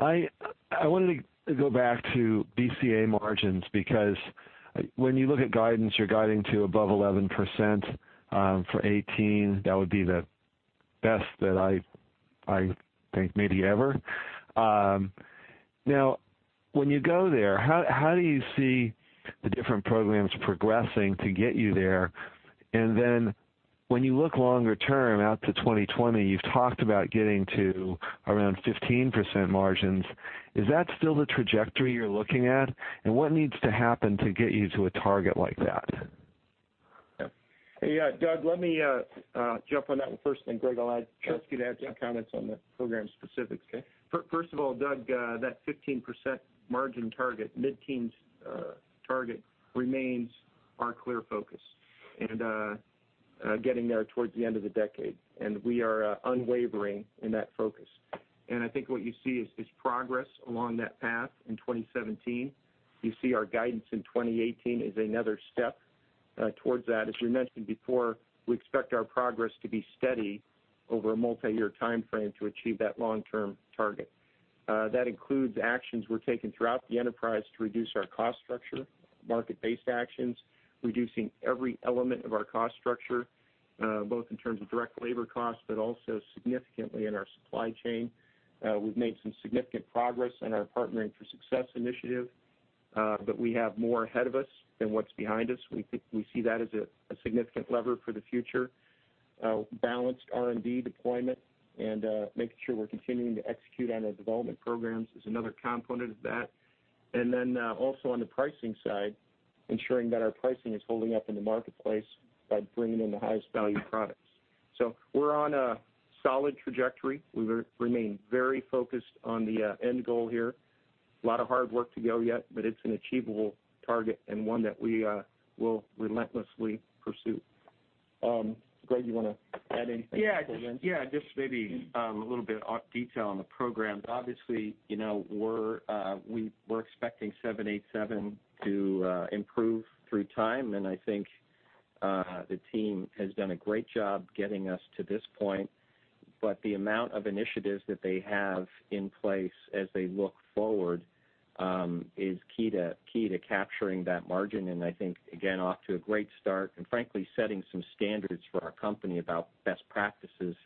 I wanted to go back to BCA margins because when you look at guidance, you're guiding to above 11% for 2018, that would be the best that, I think, maybe ever. When you go there, how do you see the different programs progressing to get you there? When you look longer term out to 2020, you've talked about getting to around 15% margins. Is that still the trajectory you're looking at? What needs to happen to get you to a target like that? Doug, let me jump on that one first then, Greg, I'll ask you to add some comments on the program specifics, okay? First of all, Doug, that 15% margin target, mid-teens target, remains our clear focus, getting there towards the end of the decade. We are unwavering in that focus. I think what you see is progress along that path in 2017. You see our guidance in 2018 is another step towards that. As you mentioned before, we expect our progress to be steady over a multi-year timeframe to achieve that long-term target. That includes actions we're taking throughout the enterprise to reduce our cost structure, market-based actions, reducing every element of our cost structure, both in terms of direct labor costs, but also significantly in our supply chain. We've made some significant progress in our Partnering for Success initiative. We have more ahead of us than what's behind us. We see that as a significant lever for the future. Balanced R&D deployment and making sure we're continuing to execute on our development programs is another component of that. Also on the pricing side, ensuring that our pricing is holding up in the marketplace by bringing in the highest value products. We're on a solid trajectory. We remain very focused on the end goal here. A lot of hard work to go yet, but it's an achievable target and one that we will relentlessly pursue. Greg, you want to add anything to that? Yeah. Just maybe a little bit of detail on the programs. Obviously, we're expecting 787 to improve through time, and I think, the team has done a great job getting us to this point. The amount of initiatives that they have in place as they look forward, is key to capturing that margin. I think, again, off to a great start, and frankly, setting some standards for our company about best practices,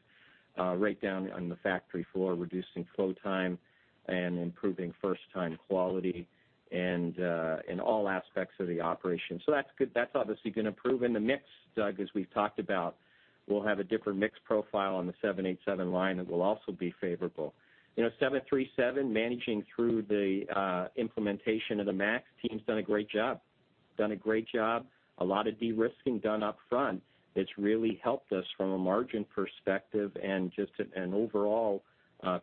right down on the factory floor, reducing flow time and improving first-time quality and in all aspects of the operation. That's good. That's obviously going to improve in the mix, Doug, as we've talked about. We'll have a different mix profile on the 787 line that will also be favorable. 737 managing through the implementation of the MAX, team's done a great job. A lot of de-risking done up front that's really helped us from a margin perspective and just an overall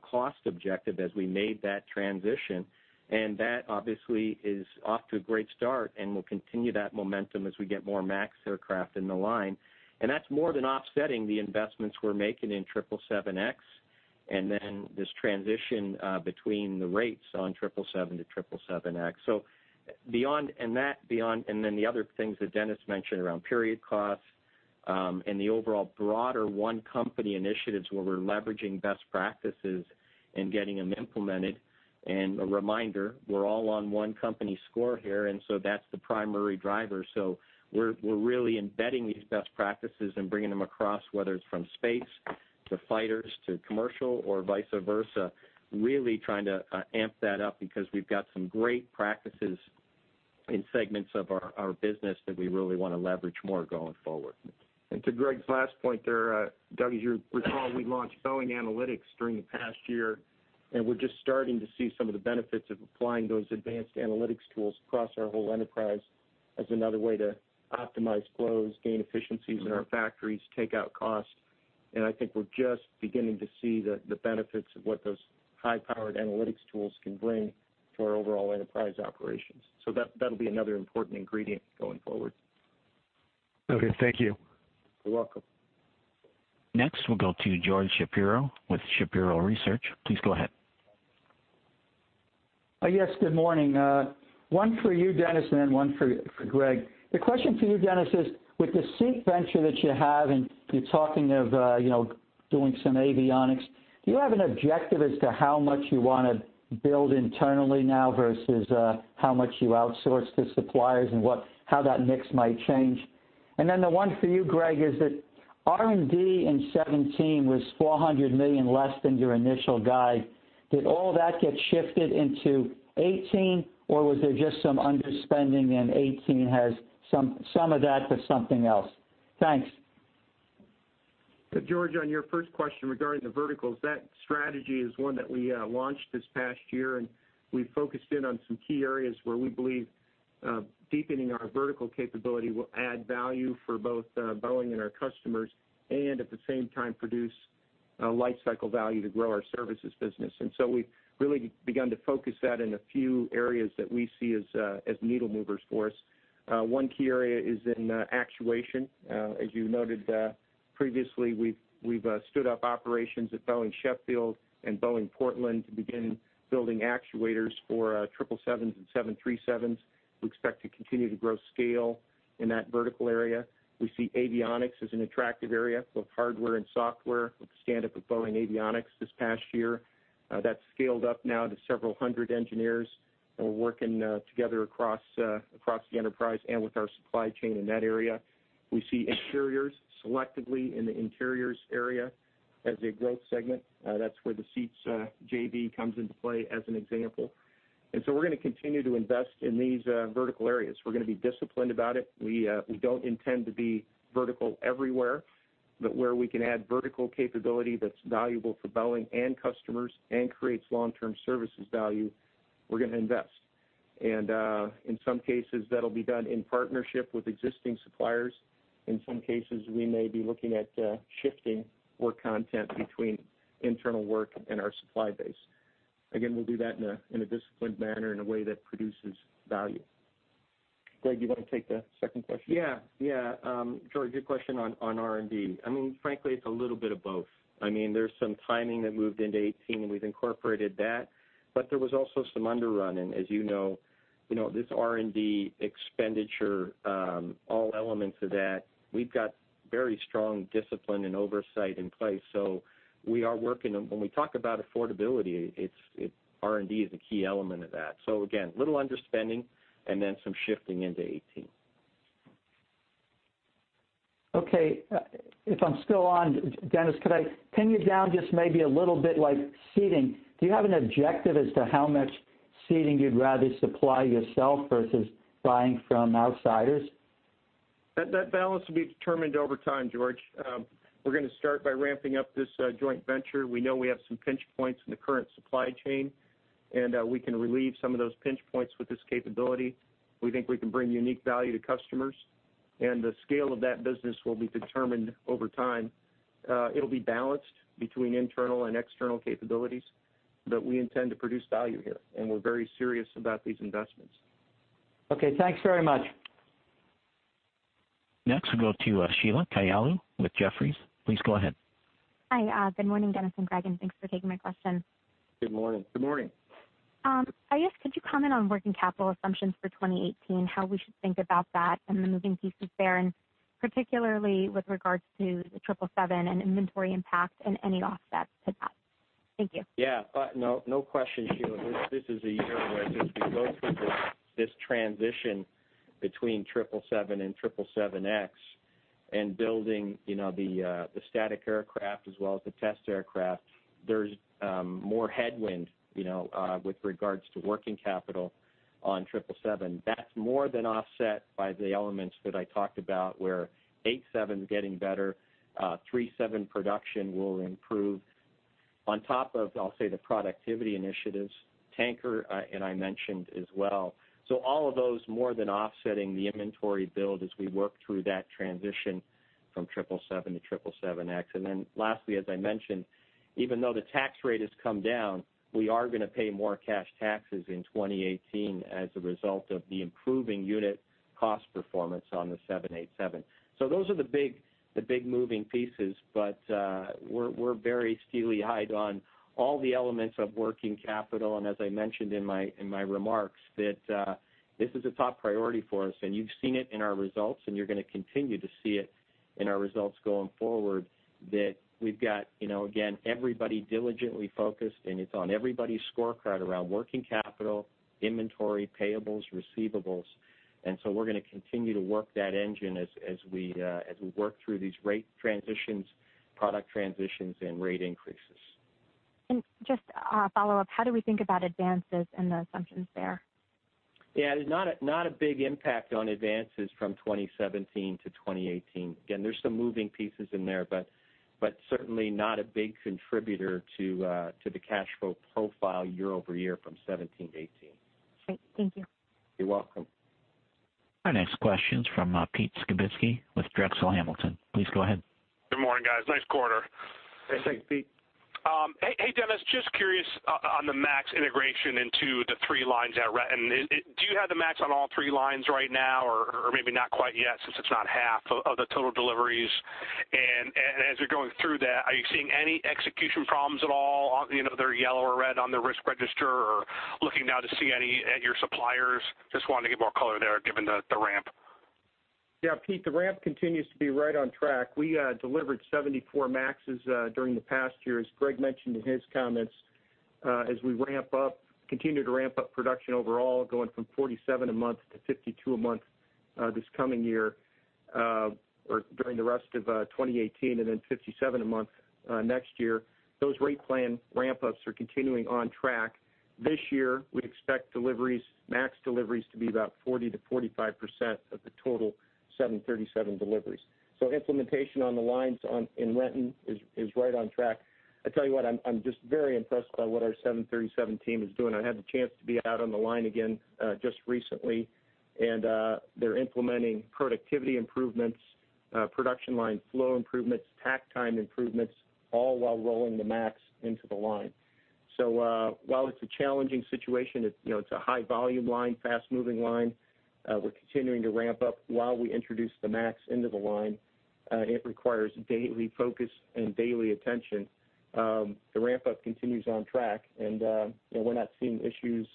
cost objective as we made that transition. That obviously is off to a great start and will continue that momentum as we get more MAX aircraft in the line. That's more than offsetting the investments we're making in 777X, this transition between the rates on 777 to 777X. The other things that Dennis mentioned around period costs, the overall broader one company initiatives where we're leveraging best practices and getting them implemented. A reminder, we're all on one company score here, that's the primary driver. We're really embedding these best practices and bringing them across, whether it's from space to fighters to commercial or vice versa, really trying to amp that up because we've got some great practices in segments of our business that we really want to leverage more going forward. To Greg's last point there, Doug, as you recall, we launched Boeing AnalytX during the past year, we're just starting to see some of the benefits of applying those advanced analytics tools across our whole enterprise as another way to optimize flows, gain efficiencies in our factories, take out costs. I think we're just beginning to see the benefits of what those high-powered analytics tools can bring to our overall enterprise operations. That'll be another important ingredient going forward. Okay, thank you. You're welcome. Next, we'll go to George Shapiro with Shapiro Research. Please go ahead. Yes, good morning. One for you, Dennis, and one for Greg. The question for you, Dennis, is with the seat venture that you have, and you're talking of doing some avionics. Do you have an objective as to how much you want to build internally now versus how much you outsource to suppliers and how that mix might change? The one for you, Greg, is that R&D in 2017 was $400 million less than your initial guide. Did all that get shifted into 2018, or was there just some underspending and 2018 has some of that to something else? Thanks. George, on your first question regarding the verticals, that strategy is one that we launched this past year, and we focused in on some key areas where we believe deepening our vertical capability will add value for both Boeing and our customers, and at the same time produce life cycle value to grow our services business. We've really begun to focus that in a few areas that we see as needle movers for us. One key area is in actuation. As you noted previously, we've stood up operations at Boeing Sheffield and Boeing Portland to begin building actuators for 777s and 737s. We expect to continue to grow scale in that vertical area. We see avionics as an attractive area, both hardware and software, with the standup of Boeing Avionics this past year. Yeah. That's scaled up now to several hundred engineers, and we're working together across the enterprise and with our supply chain in that area. We see interiors selectively in the interiors area as a growth segment. That's where the seats JV comes into play, as an example. We're going to continue to invest in these vertical areas. We're going to be disciplined about it. We don't intend to be vertical everywhere, but where we can add vertical capability that's valuable for Boeing and customers and creates long-term services value, we're going to invest. In some cases, that'll be done in partnership with existing suppliers. In some cases, we may be looking at shifting work content between internal work and our supply base. Again, we'll do that in a disciplined manner, in a way that produces value. Greg, you want to take the second question? Yeah. George, your question on R&D. Frankly, it's a little bit of both. There's some timing that moved into 2018, and we've incorporated that, but there was also some underrunning. As you know, this R&D expenditure, all elements of that, we've got very strong discipline and oversight in place. We are working. When we talk about affordability, R&D is a key element of that. Again, little underspending, and then some shifting into 2018. Okay. If I'm still on, Dennis, could I pin you down just maybe a little bit, like seating. Do you have an objective as to how much seating you'd rather supply yourself versus buying from outsiders? That balance will be determined over time, George. We're going to start by ramping up this joint venture. We know we have some pinch points in the current supply chain, and we can relieve some of those pinch points with this capability. We think we can bring unique value to customers, and the scale of that business will be determined over time. It'll be balanced between internal and external capabilities. We intend to produce value here, and we're very serious about these investments. Okay. Thanks very much. Next, we'll go to Sheila Kahyaoglu with Jefferies. Please go ahead. Hi. Good morning, Dennis and Greg, thanks for taking my question. Good morning. Good morning. I guess, could you comment on working capital assumptions for 2018, how we should think about that and the moving pieces there, and particularly with regards to the 777 and inventory impact any offsets to that? Thank you. Yeah. No question, Sheila. This is a year where, as we go through this transition between 777 and 777X and building the static aircraft as well as the test aircraft, there's more headwind with regards to working capital on 777. That's more than offset by the elements that I talked about, where 87s getting better, 37 production will improve. On top of, I'll say, the productivity initiatives, tanker, I mentioned as well. All of those more than offsetting the inventory build as we work through that transition from 777 to 777X. Lastly, as I mentioned, even though the tax rate has come down, we are going to pay more cash taxes in 2018 as a result of the improving unit cost performance on the 787. Those are the big moving pieces, but we're very steely-eyed on all the elements of working capital. As I mentioned in my remarks, that this is a top priority for us, and you've seen it in our results, and you're going to continue to see it in our results going forward, that we've got, again, everybody diligently focused, and it's on everybody's scorecard around working capital, inventory, payables, receivables. We're going to continue to work that engine as we work through these rate transitions, product transitions, and rate increases. Just a follow-up, how do we think about advances and the assumptions there? Not a big impact on advances from 2017 to 2018. Again, there's some moving pieces in there, but certainly not a big contributor to the cash flow profile year-over-year from 2017 to 2018. Great. Thank you. You're welcome. Our next question's from Pete Skibitski with Drexel Hamilton. Please go ahead. Good morning, guys. Nice quarter. Thanks, Pete. Hey, Dennis. Just curious on the 737 MAX integration into the three lines at Renton. Do you have the 737 MAX on all three lines right now, or maybe not quite yet, since it's not half of the total deliveries? As you're going through that, are you seeing any execution problems at all, they're yellow or red on the risk register or looking now to see any at your suppliers? Just wanted to get more color there, given the ramp. Yeah, Pete, the ramp continues to be right on track. We delivered 74 737 MAXs during the past year, as Greg mentioned in his comments. As we ramp up, continue to ramp up production overall, going from 47 a month to 52 a month this coming year, or during the rest of 2018, then 57 a month next year. Those rate plan ramp-ups are continuing on track. This year, we expect 737 MAX deliveries to be about 40%-45% of the total 737 deliveries. Implementation on the lines in Renton is right on track. I tell you what, I'm just very impressed by what our 737 team is doing. I had the chance to be out on the line again just recently. They're implementing productivity improvements, production line flow improvements, tack time improvements, all while rolling the 737 MAX into the line. While it's a challenging situation, it's a high volume line, fast-moving line, we're continuing to ramp up while we introduce the 737 MAX into the line. It requires daily focus and daily attention. The ramp-up continues on track, and we're not seeing issues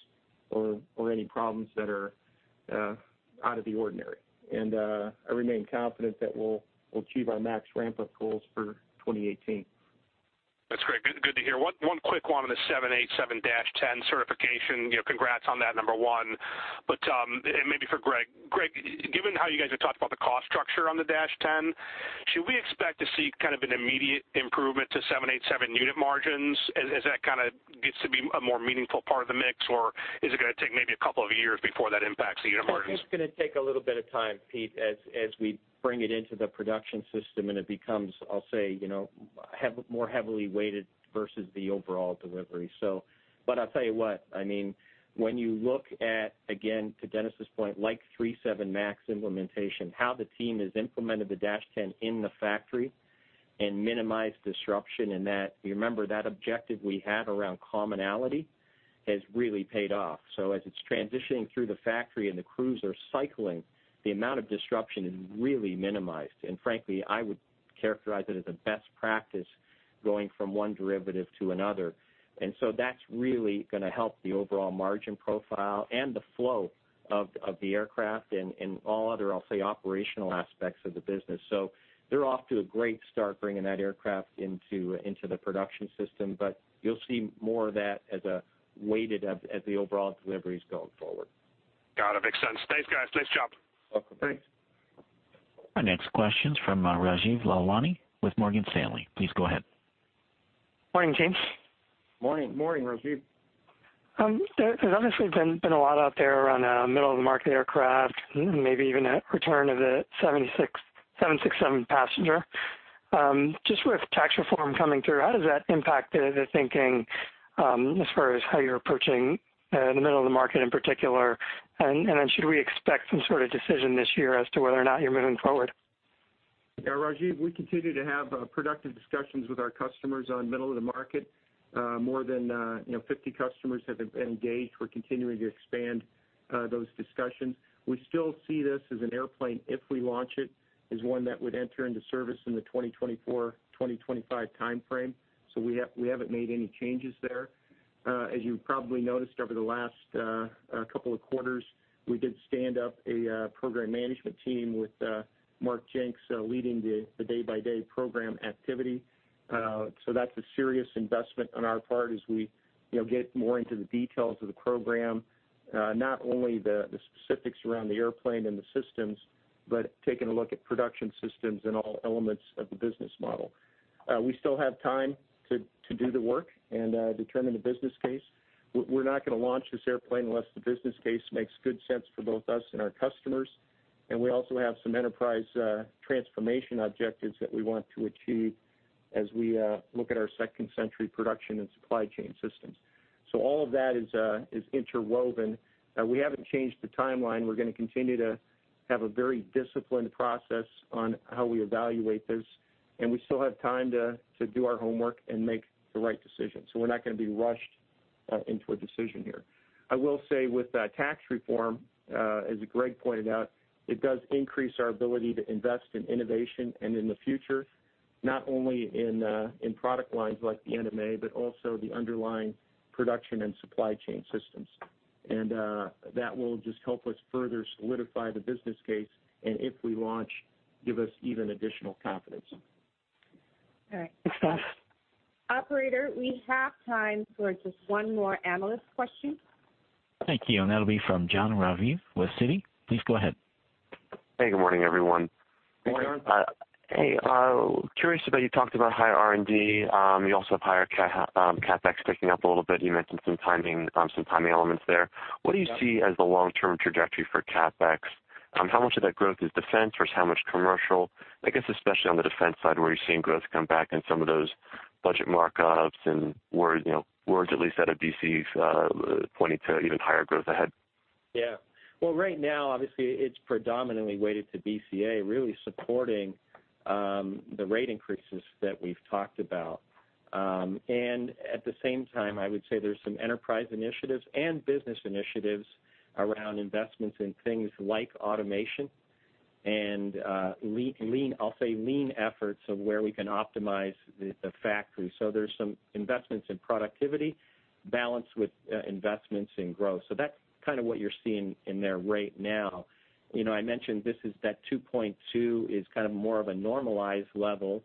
or any problems that are out of the ordinary. I remain confident that we'll achieve our 737 MAX ramp-up goals for 2018. That's great. Good to hear. One quick one on the 787-10 certification, congrats on that, number one. Maybe for Greg, given how you guys have talked about the cost structure on the -10, should we expect to see kind of an immediate improvement to 787 unit margins as that kind of gets to be a more meaningful part of the mix? Is it going to take maybe a couple of years before that impacts the unit margins? I think it's going to take a little bit of time, Pete, as we bring it into the production system and it becomes, I'll say, more heavily weighted versus the overall delivery. I'll tell you what, when you look at, again, to Dennis's point, like 737 MAX implementation, how the team has implemented the -10 in the factory and minimized disruption in that, you remember that objective we had around commonality, has really paid off. As it's transitioning through the factory and the crews are cycling, the amount of disruption is really minimized. Frankly, I would characterize it as a best practice going from one derivative to another. That's really going to help the overall margin profile and the flow of the aircraft and all other, I'll say, operational aspects of the business. They're off to a great start bringing that aircraft into the production system, you'll see more of that as a weighted as the overall deliveries going forward. Got it, makes sense. Thanks, guys. Nice job. You're welcome. Thanks. Our next question's from Rajeev Lalwani with Morgan Stanley. Please go ahead. Morning, gents. Morning, Rajeev. There's obviously been a lot out there around middle of the market aircraft, maybe even a return of the 767 passenger. Just with tax reform coming through, how does that impact the thinking as far as how you're approaching the middle of the market in particular, and then should we expect some sort of decision this year as to whether or not you're moving forward? Yeah, Rajeev, we continue to have productive discussions with our customers on middle of the market. More than 50 customers have engaged. We're continuing to expand those discussions. We still see this as an airplane, if we launch it, as one that would enter into service in the 2024, 2025 timeframe, so we haven't made any changes there. As you probably noticed over the last couple of quarters, we did stand up a program management team with Mark Jenks leading the day-by-day program activity. That's a serious investment on our part as we get more into the details of the program. Not only the specifics around the airplane and the systems, but taking a look at production systems and all elements of the business model. We still have time to do the work and determine the business case. We're not going to launch this airplane unless the business case makes good sense for both us and our customers, and we also have some enterprise transformation objectives that we want to achieve as we look at our second-century production and supply chain systems. All of that is interwoven. We haven't changed the timeline. We're going to continue to have a very disciplined process on how we evaluate this, and we still have time to do our homework and make the right decision. We're not going to be rushed into a decision here. I will say with tax reform, as Greg pointed out, it does increase our ability to invest in innovation and in the future, not only in product lines like the NMA, but also the underlying production and supply chain systems. That will just help us further solidify the business case, and if we launch, give us even additional confidence. All right. Thanks, guys. Operator, we have time for just one more analyst question. Thank you. That'll be from Jon Raviv with Citi. Please go ahead. Hey, good morning, everyone. Morning. Curious about, you talked about higher R&D. You also have higher CapEx ticking up a little bit. You mentioned some timing elements there. What do you see as the long-term trajectory for CapEx? How much of that growth is defense versus how much commercial? I guess especially on the defense side where you're seeing growth come back and some of those budget mark-ups and words at least out of D.C. pointing to even higher growth ahead. Well, right now, obviously, it's predominantly weighted to BCA, really supporting the rate increases that we've talked about. At the same time, I would say there's some enterprise initiatives and business initiatives around investments in things like automation and I'll say lean efforts of where we can optimize the factory. There's some investments in productivity balanced with investments in growth. That's kind of what you're seeing in there right now. I mentioned that 2.2 is kind of more of a normalized level.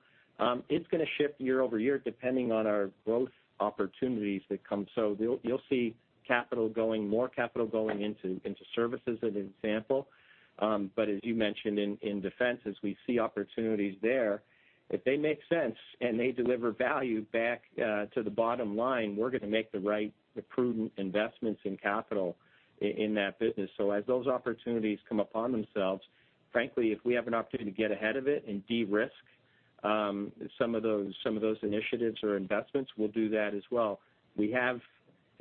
It's going to shift year-over-year depending on our growth opportunities that come. You'll see more capital going into services, as an example. As you mentioned, in defense, as we see opportunities there, if they make sense and they deliver value back to the bottom line, we're going to make the right, the prudent investments in capital in that business. As those opportunities come upon themselves, frankly, if we have an opportunity to get ahead of it and de-risk some of those initiatives or investments will do that as well.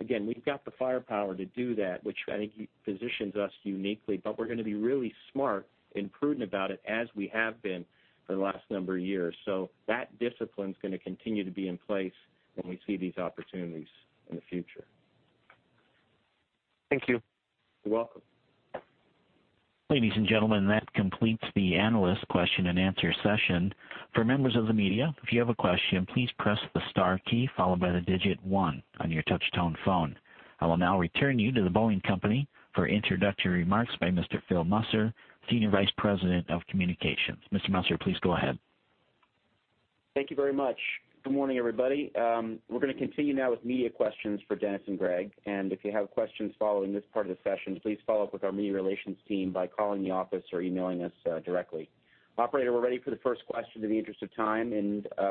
Again, we've got the firepower to do that, which I think positions us uniquely. We're going to be really smart and prudent about it, as we have been for the last number of years. That discipline's going to continue to be in place when we see these opportunities in the future. Thank you. You're welcome. Ladies and gentlemen, that completes the analyst question and answer session. For members of the media, if you have a question, please press the star key followed by the digit one on your touch-tone phone. I will now return you to The Boeing Company for introductory remarks by Mr. Phil Musser, Senior Vice President of Communications. Mr. Musser, please go ahead. Thank you very much. Good morning, everybody. We're going to continue now with media questions for Dennis and Greg. If you have questions following this part of the session, please follow up with our media relations team by calling the office or emailing us directly. Operator, we're ready for the first question in the interest of time.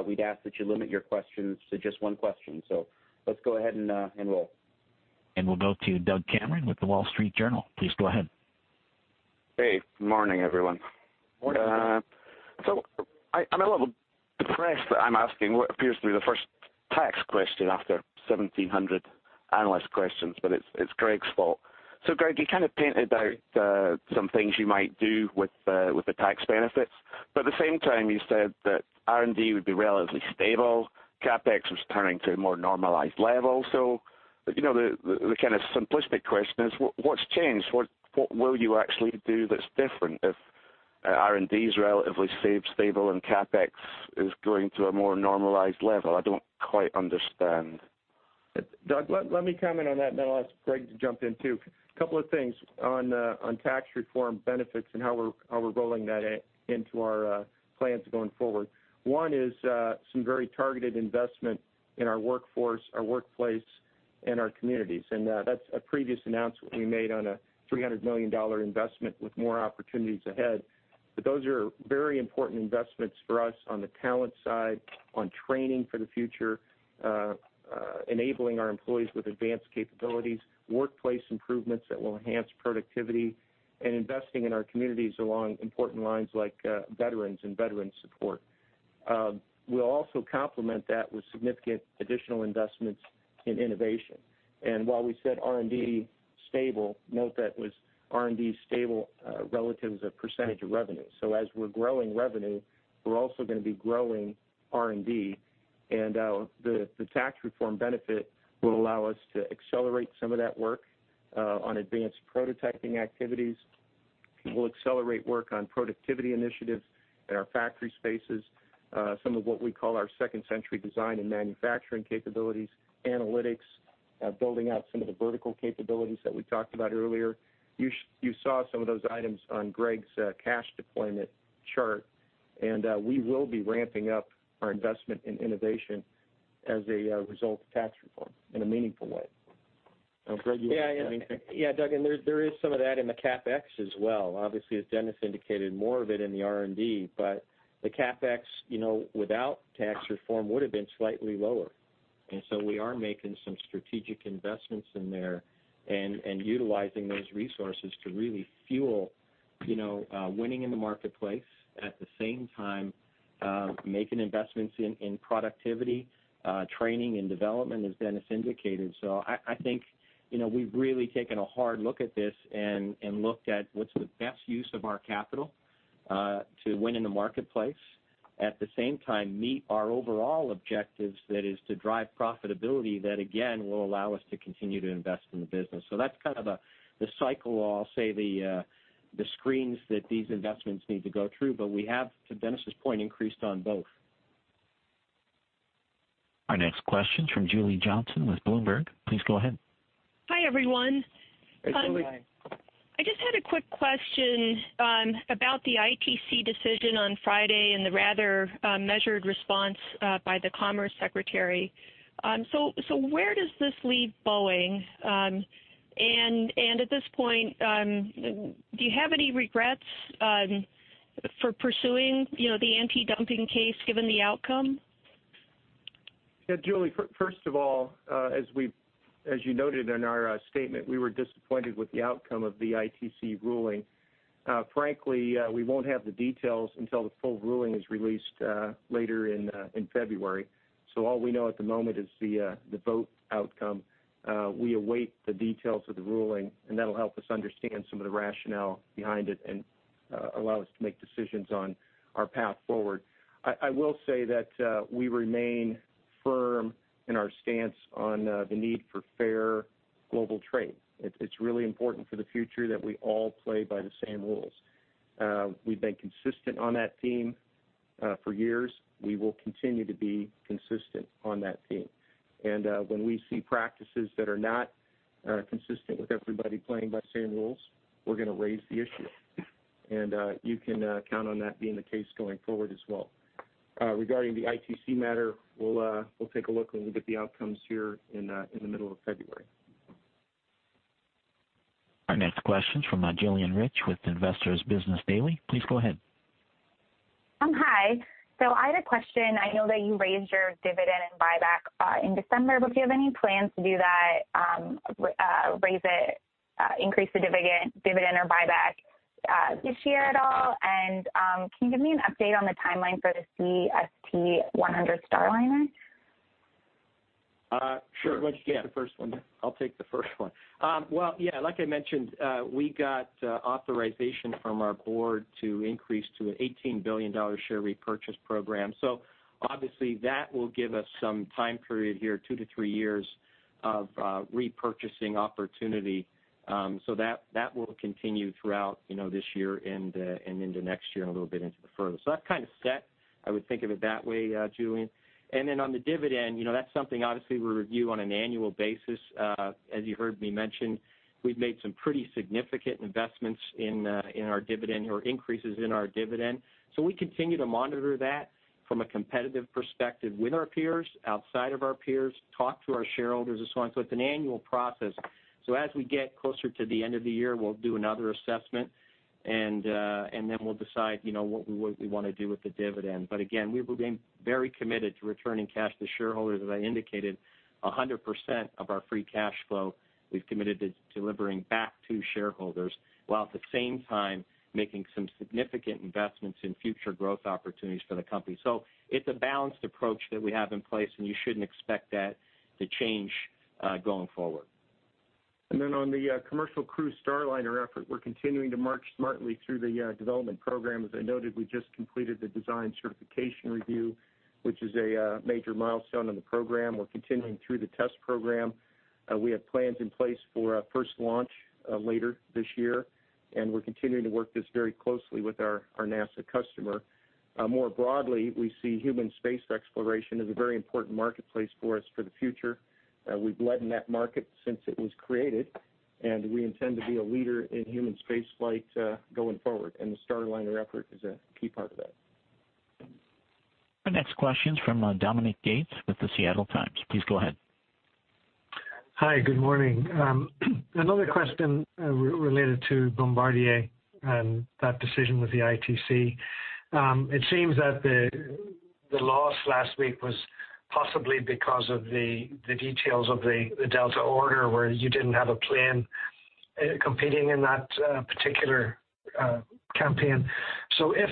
We'd ask that you limit your questions to just one question. Let's go ahead and roll. We'll go to Doug Cameron with "The Wall Street Journal." Please go ahead. Hey, good morning, everyone. Morning. I'm a little depressed that I'm asking what appears to be the first tax question after 1,700 analyst questions, but it's Greg's fault. Greg, you kind of painted out some things you might do with the tax benefits, but at the same time, you said that R&D would be relatively stable. CapEx was turning to a more normalized level. The kind of simplistic question is what's changed? What will you actually do that's different if R&D's relatively stable and CapEx is going to a more normalized level? I don't quite understand. Doug, let me comment on that, and then I'll ask Greg to jump in, too. Couple of things on tax reform benefits and how we're rolling that into our plans going forward. One is some very targeted investment in our workforce, our workplace, and our communities, and that's a previous announcement we made on a $300 million investment with more opportunities ahead. Those are very important investments for us on the talent side, on training for the future, enabling our employees with advanced capabilities, workplace improvements that will enhance productivity, and investing in our communities along important lines like veterans and veteran support. We'll also complement that with significant additional investments in innovation. While we said R&D stable, note that was R&D stable relative as a % of revenue. As we're growing revenue, we're also going to be growing R&D, and the tax reform benefit will allow us to accelerate some of that work on advanced prototyping activities. We'll accelerate work on productivity initiatives in our factory spaces. Some of what we call our second-century design and manufacturing capabilities, analytics, building out some of the vertical capabilities that we talked about earlier. You saw some of those items on Greg's cash deployment chart, we will be ramping up our investment in innovation as a result of tax reform in a meaningful way. Greg, you want to add anything? Yeah, Doug, there is some of that in the CapEx as well. Obviously, as Dennis indicated, more of it in the R&D, the CapEx, without tax reform, would've been slightly lower. We are making some strategic investments in there and utilizing those resources to really fuel winning in the marketplace. At the same time, making investments in productivity, training, and development, as Dennis indicated. I think we've really taken a hard look at this and looked at what's the best use of our capital, to win in the marketplace. At the same time, meet our overall objectives, that is, to drive profitability. That, again, will allow us to continue to invest in the business. That's kind of the cycle, or I'll say the screens that these investments need to go through, but we have, to Dennis' point, increased on both. Our next question's from Julie Johnsson with Bloomberg. Please go ahead. Hi, everyone. Hey, Julie. Hi. I just had a quick question about the ITC decision on Friday and the rather measured response by the commerce secretary. Where does this leave Boeing? At this point, do you have any regrets for pursuing the anti-dumping case, given the outcome? Yeah, Julie, first of all, as you noted in our statement, we were disappointed with the outcome of the ITC ruling. Frankly, we won't have the details until the full ruling is released later in February. All we know at the moment is the vote outcome. We await the details of the ruling, and that'll help us understand some of the rationale behind it and allow us to make decisions on our path forward. I will say that we remain firm in our stance on the need for fair global trade. It's really important for the future that we all play by the same rules. We've been consistent on that theme for years. We will continue to be consistent on that theme. When we see practices that are not consistent with everybody playing by the same rules, we're going to raise the issue, and you can count on that being the case going forward as well. Regarding the ITC matter, we'll take a look when we get the outcomes here in the middle of February. Our next question's from Gillian Rich with Investor's Business Daily. Please go ahead. Hi. I had a question. I know that you raised your dividend and buyback in December, do you have any plans to do that, raise it Increase the dividend or buyback this year at all? Can you give me an update on the timeline for the CST-100 Starliner? Sure. Why don't you take the first one? I'll take the first one. Well, yeah, like I mentioned, we got authorization from our board to increase to an $18 billion share repurchase program. Obviously, that will give us some time period here, two to three years, of repurchasing opportunity. That will continue throughout this year and into next year and a little bit into the further. That's kind of set. I would think of it that way, Gillian. On the dividend, that's something obviously we review on an annual basis. As you heard me mention, we've made some pretty significant investments in our dividend or increases in our dividend. We continue to monitor that from a competitive perspective with our peers, outside of our peers, talk to our shareholders, and so on. It's an annual process. As we get closer to the end of the year, we'll do another assessment, then we'll decide what we want to do with the dividend. Again, we're being very committed to returning cash to shareholders. As I indicated, 100% of our free cash flow we've committed to delivering back to shareholders while at the same time making some significant investments in future growth opportunities for the company. It's a balanced approach that we have in place, and you shouldn't expect that to change going forward. On the commercial crew Starliner effort, we're continuing to march smartly through the development program. As I noted, we just completed the design certification review, which is a major milestone in the program. We're continuing through the test program. We have plans in place for a first launch later this year, we're continuing to work this very closely with our NASA customer. More broadly, we see human space exploration as a very important marketplace for us for the future. We've led in that market since it was created, we intend to be a leader in human space flight going forward, the Starliner effort is a key part of that. Our next question's from Dominic Gates with The Seattle Times. Please go ahead. Hi, good morning. Another question related to Bombardier and that decision with the ITC. It seems that the loss last week was possibly because of the details of the Delta order, where you didn't have a plane competing in that particular campaign. There's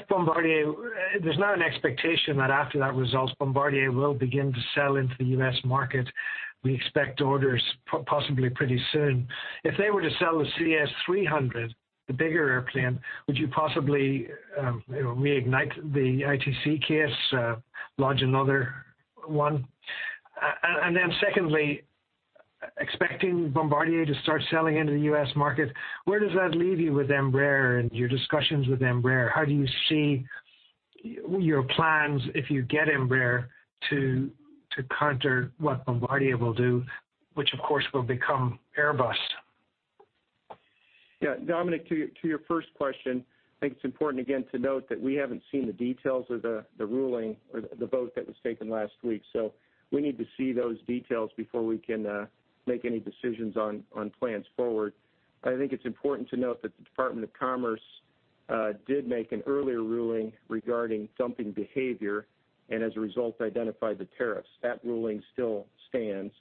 now an expectation that after that result, Bombardier will begin to sell into the U.S. market. We expect orders possibly pretty soon. If they were to sell the CS300, the bigger airplane, would you possibly reignite the ITC case, lodge another one? Secondly, expecting Bombardier to start selling into the U.S. market, where does that leave you with Embraer and your discussions with Embraer? How do you see your plans, if you get Embraer, to counter what Bombardier will do, which, of course, will become Airbus? Dominic, to your first question, I think it's important again to note that we haven't seen the details of the ruling or the vote that was taken last week. We need to see those details before we can make any decisions on plans forward. I think it's important to note that the Department of Commerce did make an earlier ruling regarding dumping behavior, and as a result, identified the tariffs. That ruling still stands.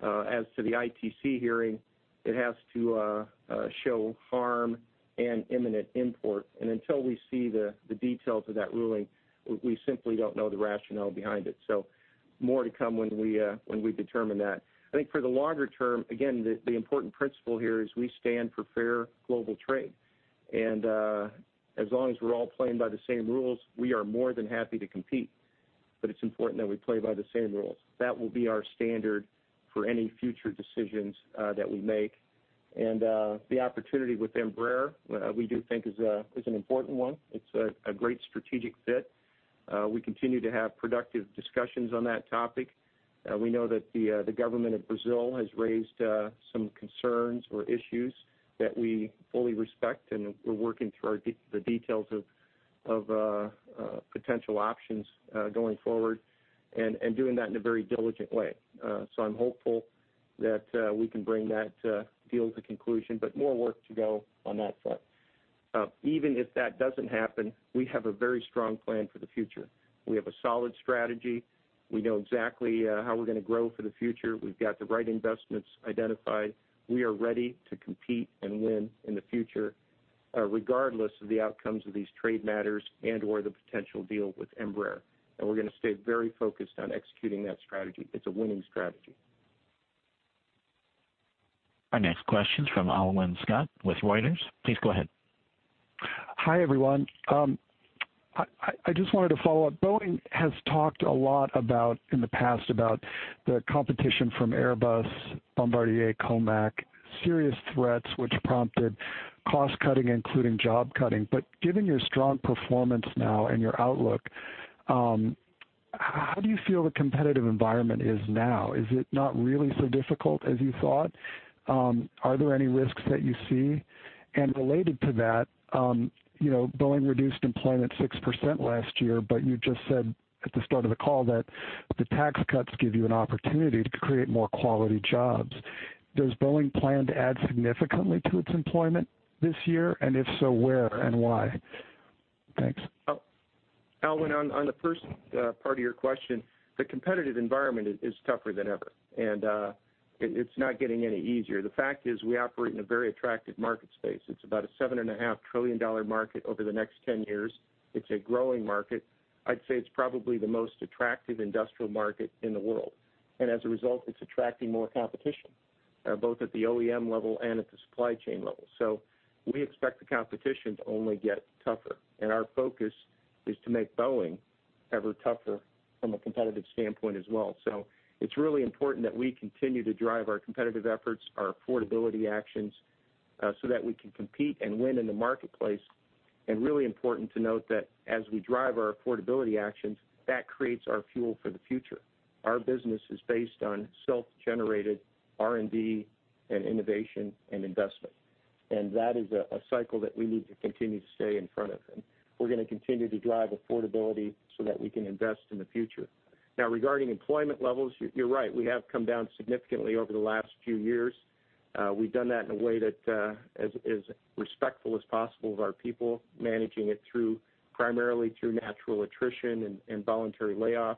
As to the ITC hearing, it has to show harm and imminent import. Until we see the details of that ruling, we simply don't know the rationale behind it. More to come when we determine that. I think for the longer term, again, the important principle here is we stand for fair global trade. As long as we're all playing by the same rules, we are more than happy to compete. It's important that we play by the same rules. That will be our standard for any future decisions that we make. The opportunity with Embraer, we do think is an important one. It's a great strategic fit. We continue to have productive discussions on that topic. We know that the government of Brazil has raised some concerns or issues that we fully respect, and we're working through the details of potential options going forward and doing that in a very diligent way. I'm hopeful that we can bring that deal to conclusion, but more work to go on that front. Even if that doesn't happen, we have a very strong plan for the future. We have a solid strategy. We know exactly how we're going to grow for the future. We've got the right investments identified. We are ready to compete and win in the future, regardless of the outcomes of these trade matters and/or the potential deal with Embraer. We're going to stay very focused on executing that strategy. It's a winning strategy. Our next question is from Alwyn Scott with Reuters. Please go ahead. Hi, everyone. I just wanted to follow up. Boeing has talked a lot about, in the past, about the competition from Airbus, Bombardier, Comac, serious threats which prompted cost-cutting, including job cutting. Given your strong performance now and your outlook, how do you feel the competitive environment is now? Is it not really so difficult as you thought? Are there any risks that you see? Related to that, Boeing reduced employment 6% last year, you just said at the start of the call that the tax cuts give you an opportunity to create more quality jobs. Does Boeing plan to add significantly to its employment this year, and if so, where and why? Thanks. Alwyn, on the first part of your question, the competitive environment is tougher than ever, and it's not getting any easier. The fact is we operate in a very attractive market space. It's about a $7.5 trillion market over the next 10 years. It's a growing market. I'd say it's probably the most attractive industrial market in the world. As a result, it's attracting more competition, both at the OEM level and at the supply chain level. We expect the competition to only get tougher, and our focus is to make Boeing ever tougher from a competitive standpoint as well. It's really important that we continue to drive our competitive efforts, our affordability actions, so that we can compete and win in the marketplace, and really important to note that as we drive our affordability actions, that creates our fuel for the future. Our business is based on self-generated R&D and innovation and investment. That is a cycle that we need to continue to stay in front of, and we're going to continue to drive affordability so that we can invest in the future. Now, regarding employment levels, you're right. We have come down significantly over the last few years. We've done that in a way that is as respectful as possible of our people, managing it primarily through natural attrition and voluntary layoffs.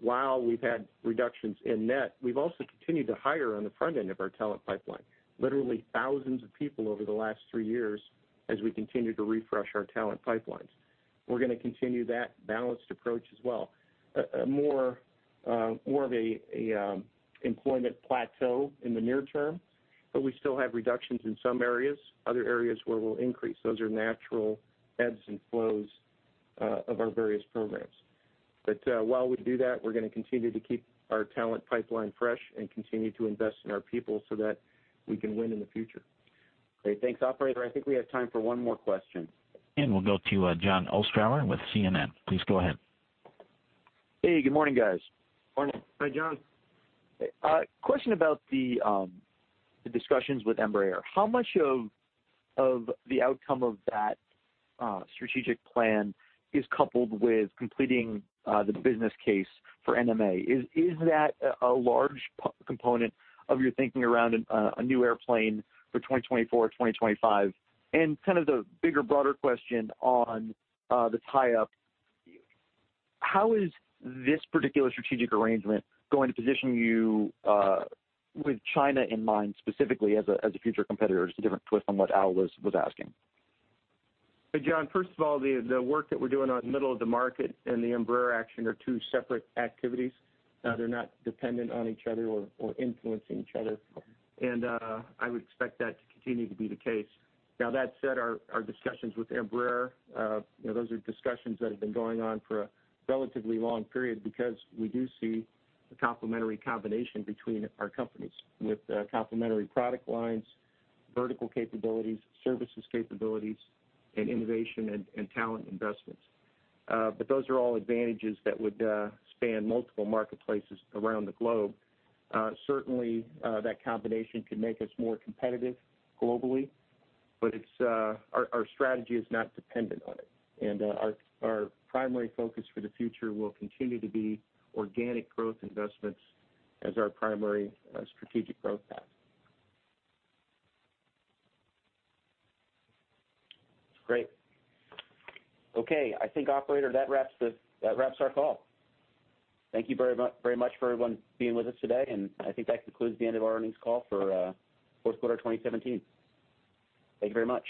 While we've had reductions in net, we've also continued to hire on the front end of our talent pipeline. Literally thousands of people over the last three years as we continue to refresh our talent pipelines. We're going to continue that balanced approach as well. More of an employment plateau in the near term, we still have reductions in some areas. Other areas where we'll increase. Those are natural ebbs and flows of our various programs. While we do that, we're going to continue to keep our talent pipeline fresh and continue to invest in our people so that we can win in the future. Great. Thanks. Operator, I think we have time for one more question. We'll go to Jon Ostrower with CNN. Please go ahead. Hey, good morning, guys. Morning. Hi, Jon. Question about the discussions with Embraer. How much of the outcome of that strategic plan is coupled with completing the business case for NMA? Is that a large component of your thinking around a new airplane for 2024 or 2025? Kind of the bigger, broader question on the tie-up, how is this particular strategic arrangement going to position you with China in mind specifically as a future competitor? Just a different twist on what Alwyn was asking. Hey, Jon. First of all, the work that we're doing on middle of the market and the Embraer action are two separate activities. They're not dependent on each other or influencing each other. I would expect that to continue to be the case. Now, that said, our discussions with Embraer, those are discussions that have been going on for a relatively long period because we do see a complementary combination between our companies with complementary product lines, vertical capabilities, services capabilities, and innovation and talent investments. Those are all advantages that would span multiple marketplaces around the globe. Certainly, that combination could make us more competitive globally, but our strategy is not dependent on it. Our primary focus for the future will continue to be organic growth investments as our primary strategic growth path. Great. Okay. I think, Operator, that wraps our call. Thank you very much for everyone being with us today, and I think that concludes the end of our earnings call for fourth quarter 2017. Thank you very much.